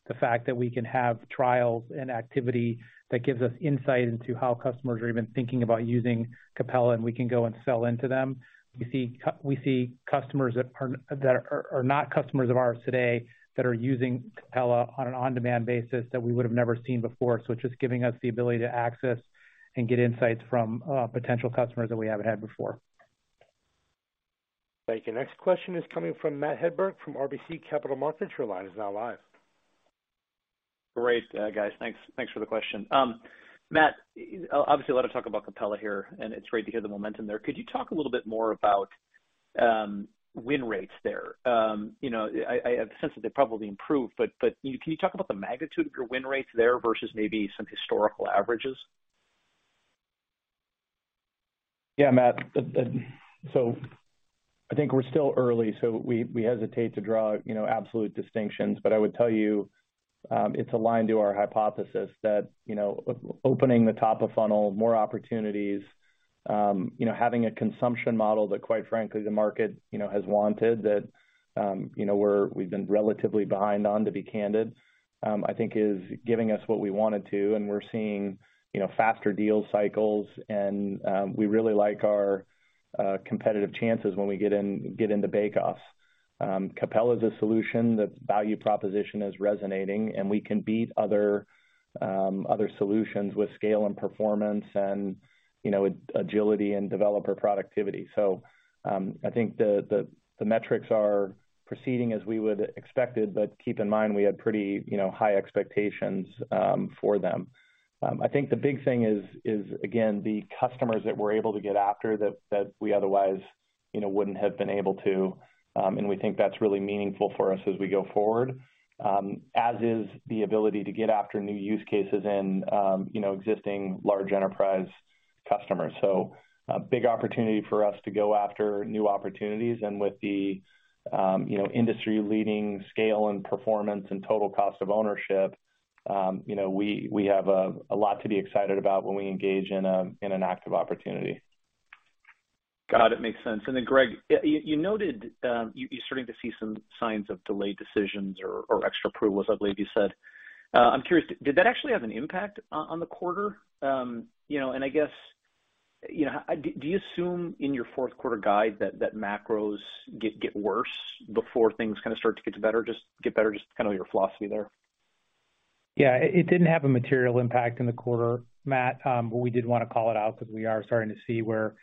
the fact that we can have trials and activity that gives us insight into how customers are even thinking about using Capella, we can go and sell into them. We see customers that are not customers of ours today that are using Capella on an on-demand basis that we would've never seen before. It's just giving us the ability to access and get insights from potential customers that we haven't had before. Thank you. Next question is coming from Matt Hedberg from RBC Capital Markets. Your line is now live. Great, guys. Thanks for the question. Matt, obviously a lot of talk about Capella here, and it's great to hear the momentum there. Could you talk a little bit more about win rates there? You know, I have a sense that they probably improved, but can you talk about the magnitude of your win rates there versus maybe some historical averages? Yeah, Matt. I think we're still early, so we hesitate to draw, you know, absolute distinctions. I would tell you, it's aligned to our hypothesis that, you know, opening the top of funnel, more opportunities, you know, having a consumption model that quite frankly the market, you know, has wanted that, you know, we've been relatively behind on, to be candid, I think is giving us what we wanted to. We're seeing, you know, faster deal cycles and we really like our competitive chances when we get into bake offs. Capella is a solution that value proposition is resonating, and we can beat other solutions with scale and performance and, you know, agility and developer productivity. I think the metrics are proceeding as we would expected, but keep in mind we had pretty, you know, high expectations for them. I think the big thing is again, the customers that we're able to get after that we otherwise, you know, wouldn't have been able to. We think that's really meaningful for us as we go forward, as is the ability to get after new use cases and, you know, existing large enterprise customers. A big opportunity for us to go after new opportunities and with the, you know, industry-leading scale and performance and total cost of ownership, you know, we have a lot to be excited about when we engage in an active opportunity. Got it. Makes sense. Greg, you noted, you starting to see some signs of delayed decisions or extra approvals, I believe you said. I'm curious, did that actually have an impact on the quarter? You know, I guess, you know, do you assume in your fourth quarter guide that macros get worse before things kind of start to get better, just get better? Just kind of your philosophy there. Yeah. It didn't have a material impact in the quarter, Matt. We did wanna call it out because we are starting to see where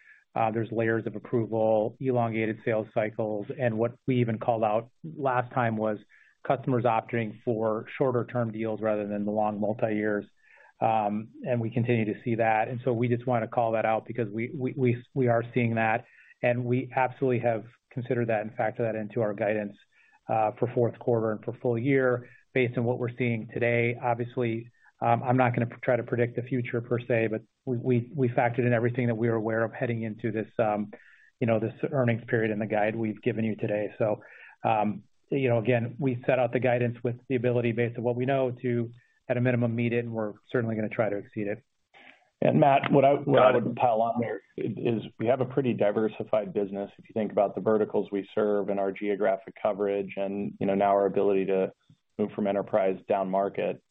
there's layers of approval, elongated sales cycles, and what we even called out last time was customers opting for shorter-term deals rather than the long multi-years. We continue to see that. We just wanna call that out because we are seeing that, and we absolutely have considered that and factored that into our guidance for fourth quarter and for full year based on what we're seeing today. Obviously, I'm not gonna try to predict the future per se, we factored in everything that we are aware of heading into this, you know, this earnings period and the guide we've given you today. You know, again, we set out the guidance with the ability based on what we know to, at a minimum, meet it, and we're certainly gonna try to exceed it. Matt, what. Got it. What I would pile on there is we have a pretty diversified business if you think about the verticals we serve and our geographic coverage and, you know, now our ability to move from enterprise down market.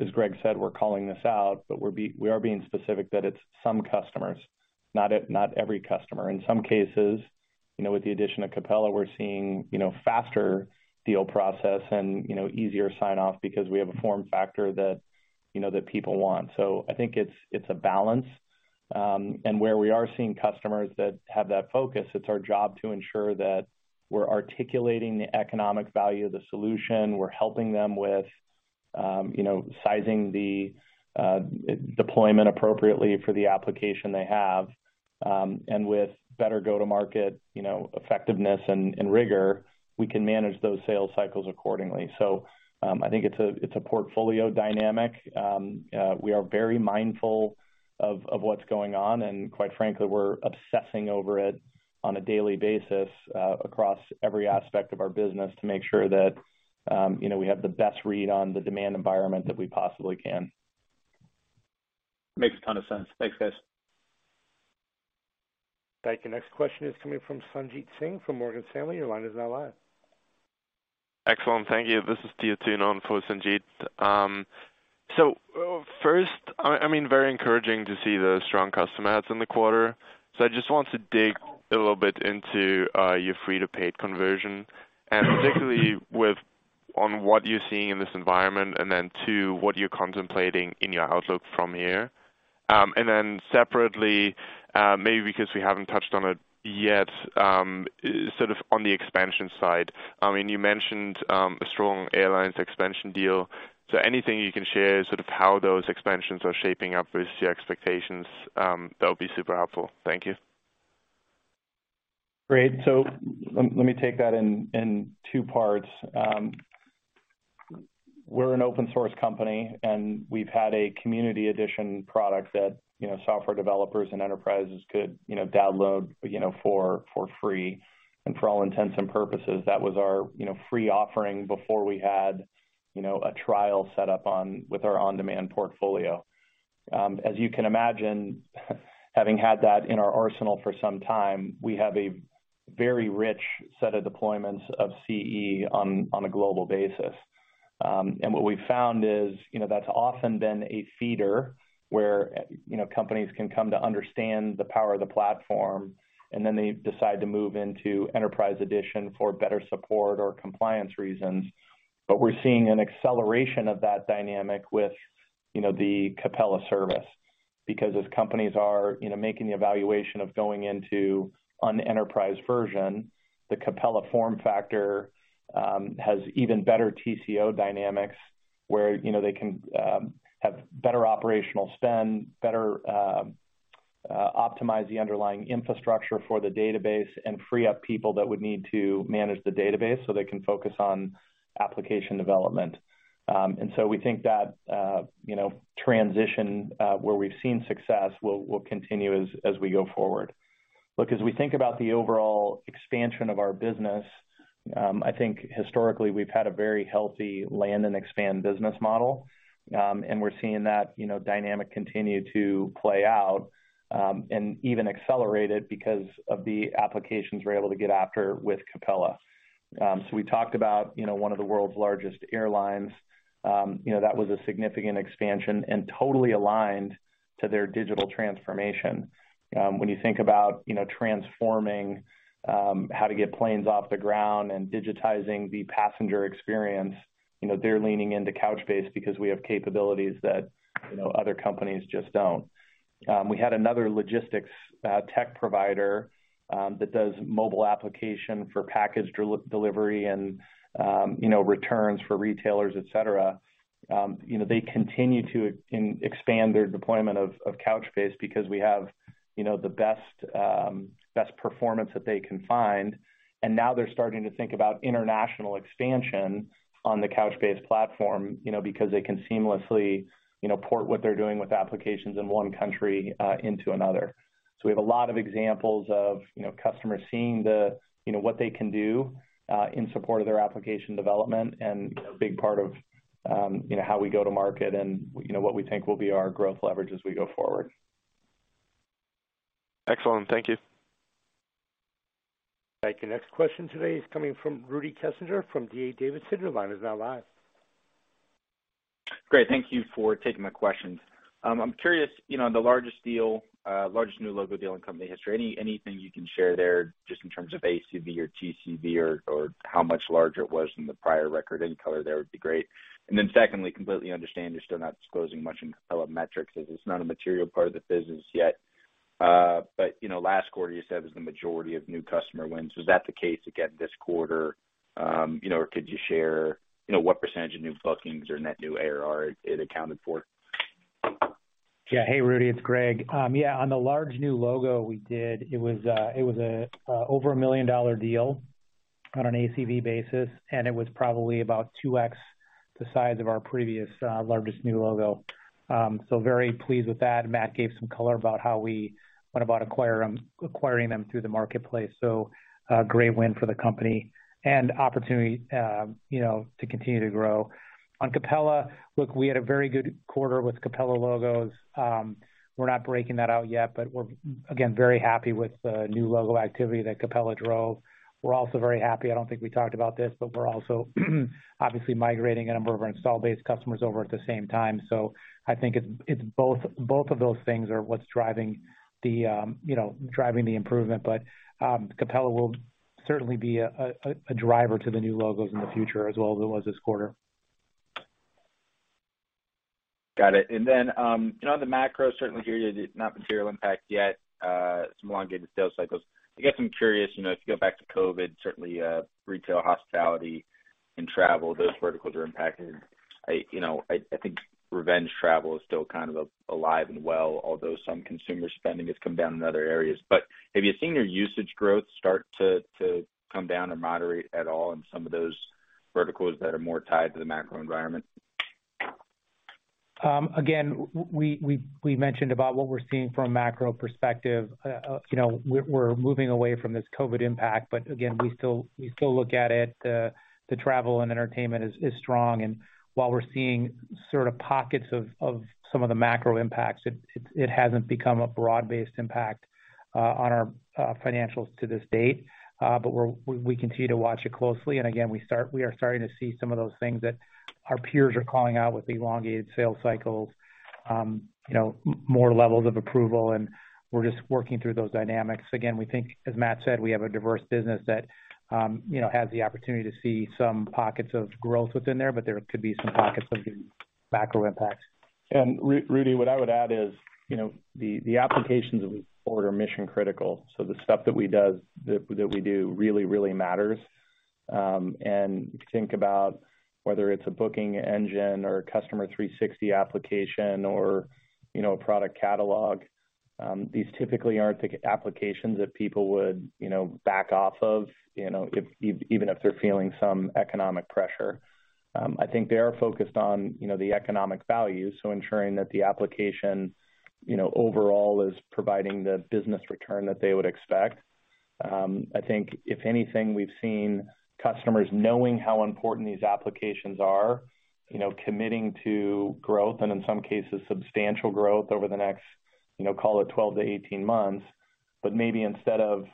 As Greg said, we are being specific that it's some customers, not every customer. In some cases, you know, with the addition of Capella, we're seeing, you know, faster deal process and, you know, easier sign-off because we have a form factor that, you know, that people want. I think it's a balance. Where we are seeing customers that have that focus, it's our job to ensure that we're articulating the economic value of the solution, we're helping them with, you know, sizing the deployment appropriately for the application they have, and with better go-to-market, you know, effectiveness and rigor, we can manage those sales cycles accordingly. I think it's a portfolio dynamic. We are very mindful of what's going on, and quite frankly, we're obsessing over it on a daily basis, across every aspect of our business to make sure that, you know, we have the best read on the demand environment that we possibly can. Makes a ton of sense. Thanks, guys. Thank you. Next question is coming from Sanjit Singh from Morgan Stanley. Your line is now live. Excellent. Thank you. This is Theo Tunon for Sanjit. First, I mean, very encouraging to see the strong customer adds in the quarter. I just want to dig a little bit into your free-to-paid conversion, and particularly with on what you're seeing in this environment, then two, what you're contemplating in your outlook from here. Separately, maybe because we haven't touched on it yet, sort of on the expansion side, I mean, you mentioned a strong airlines expansion deal. Anything you can share sort of how those expansions are shaping up versus your expectations, that would be super helpful. Thank you. Great. Let me take that in two parts. We're an open source company, we've had a community edition product that, you know, software developers and enterprises could, you know, download, you know, for free. For all intents and purposes, that was our, you know, free offering before we had, you know, a trial set up on with our on-demand portfolio. As you can imagine, having had that in our arsenal for some time, we have a very rich set of deployments of CE on a global basis. What we've found is, you know, that's often been a feeder where, you know, companies can come to understand the power of the platform, then they decide to move into enterprise edition for better support or compliance reasons. We're seeing an acceleration of that dynamic with, you know, the Capella service, because as companies are, you know, making the evaluation of going into an enterprise version, the Capella form factor, has even better TCO dynamics where, you know, they can, have better operational spend, better, optimize the underlying infrastructure for the database and free up people that would need to manage the database so they can focus on application development. We think that, you know, transition, where we've seen success will continue as we go forward. Look, as we think about the overall expansion of our business, I think historically we've had a very healthy land and expand business model, and we're seeing that, you know, dynamic continue to play out, and even accelerated because of the applications we're able to get after with Capella. We talked about, you know, one of the world's largest airlines, you know, that was a significant expansion and totally aligned to their digital transformation. When you think about, you know, transforming how to get planes off the ground and digitizing the passenger experience, you know, they're leaning into Couchbase because we have capabilities that, you know, other companies just don't. We had another logistics tech provider that does mobile application for package delivery and, you know, returns for retailers, et cetera. You know, they continue to expand their deployment of Couchbase because we have, you know, the best performance that they can find. Now they're starting to think about international expansion on the Couchbase platform, you know, because they can seamlessly, you know, port what they're doing with applications in one country into another. We have a lot of examples of, you know, customers seeing the, you know, what they can do in support of their application development and, you know, a big part of, you know, how we go to market and, you know, what we think will be our growth leverage as we go forward. Excellent. Thank you. Thank you. Next question today is coming from Rudy Kessinger from D.A. Davidson. Your line is now live. Great. Thank you for taking my questions. I'm curious, you know, on the largest deal, largest new logo deal in company history, anything you can share there just in terms of ACV or TCV or how much larger it was than the prior record any color there would be great. Secondly, completely understand you're still not disclosing much in Capella metrics as it's not a material part of the business yet. But, you know, last quarter you said it was the majority of new customer wins. Was that the case again this quarter? You know, or could you share, you know, what percentage of new bookings or net new ARR it accounted for? Yeah. Hey, Rudy, it's Greg. Yeah, on the large new logo we did, it was over a $1 million deal on an ACV basis, and it was probably about 2x the size of our previous largest new logo. Very pleased with that. Matt gave some color about how we What about acquiring them through the marketplace? Great win for the company and opportunity, you know, to continue to grow. On Capella, look, we had a very good quarter with Capella logos. We're not breaking that out yet, but we're, again, very happy with the new logo activity that Capella drove. We're also very happy, I don't think we talked about this, but we're also obviously migrating a number of our install-based customers over at the same time. I think it's both of those things are what's driving the, you know, driving the improvement. Capella will certainly be a driver to the new logos in the future as well as it was this quarter. Got it. Then, you know, on the macro, certainly hear you that it's not material impact yet, some elongated sales cycles. I guess I'm curious, you know, if you go back to COVID, certainly, retail hospitality and travel, those verticals are impacted. I, you know, I think revenge travel is still kind of alive and well, although some consumer spending has come down in other areas. Have you seen your usage growth start to come down or moderate at all in some of those verticals that are more tied to the macro environment? Again, we mentioned about what we're seeing from a macro perspective. You know, we're moving away from this COVID impact, but again, we still look at it, the travel and entertainment is strong. While we're seeing sort of pockets of some of the macro impacts, it hasn't become a broad-based impact on our financials to this date. We continue to watch it closely. Again, we are starting to see some of those things that our peers are calling out with elongated sales cycles, you know, more levels of approval, and we're just working through those dynamics. We think, as Matt said, we have a diverse business that, you know, has the opportunity to see some pockets of growth within there, but there could be some pockets of macro impacts. Rudy, what I would add is, you know, the applications that we support are mission critical, so the stuff that we do really, really matters. Think about whether it's a booking engine or a Customer 360 application or, you know, a product catalog, these typically aren't applications that people would, you know, back off of, you know, even if they're feeling some economic pressure. I think they are focused on, you know, the economic value, so ensuring that the application, you know, overall is providing the business return that they would expect. I think if anything, we've seen customers knowing how important these applications are, you know, committing to growth and in some cases substantial growth over the next, you know, call it 12 to 18 months. Maybe instead of,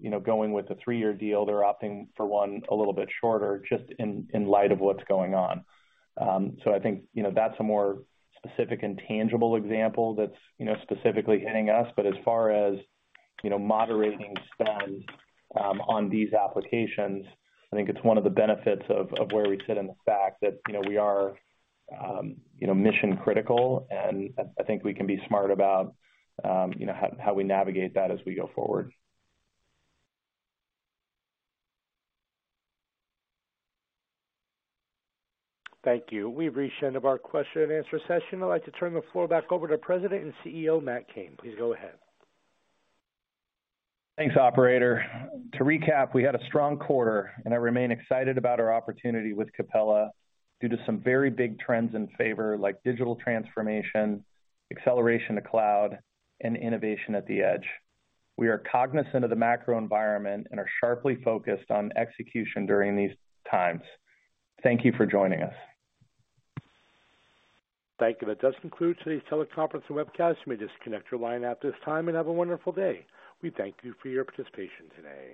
you know, going with a three-year deal, they're opting for one a little bit shorter just in light of what's going on. I think, you know, that's a more specific and tangible example that's, you know, specifically hitting us. As far as, you know, moderating spend on these applications, I think it's one of the benefits of where we sit and the fact that, you know, we are, you know, mission critical and I think we can be smart about, you know, how we navigate that as we go forward. Thank you. We've reached the end of our question and answer session. I'd like to turn the floor back over to President and CEO, Matt Cain. Please go ahead. Thanks, operator. To recap, we had a strong quarter and I remain excited about our opportunity with Capella due to some very big trends in favor, like digital transformation, acceleration to cloud, and innovation at the edge. We are cognizant of the macro environment and are sharply focused on execution during these times. Thank you for joining us. Thank you. That does conclude today's teleconference and webcast. You may disconnect your line at this time and have a wonderful day. We thank you for your participation today.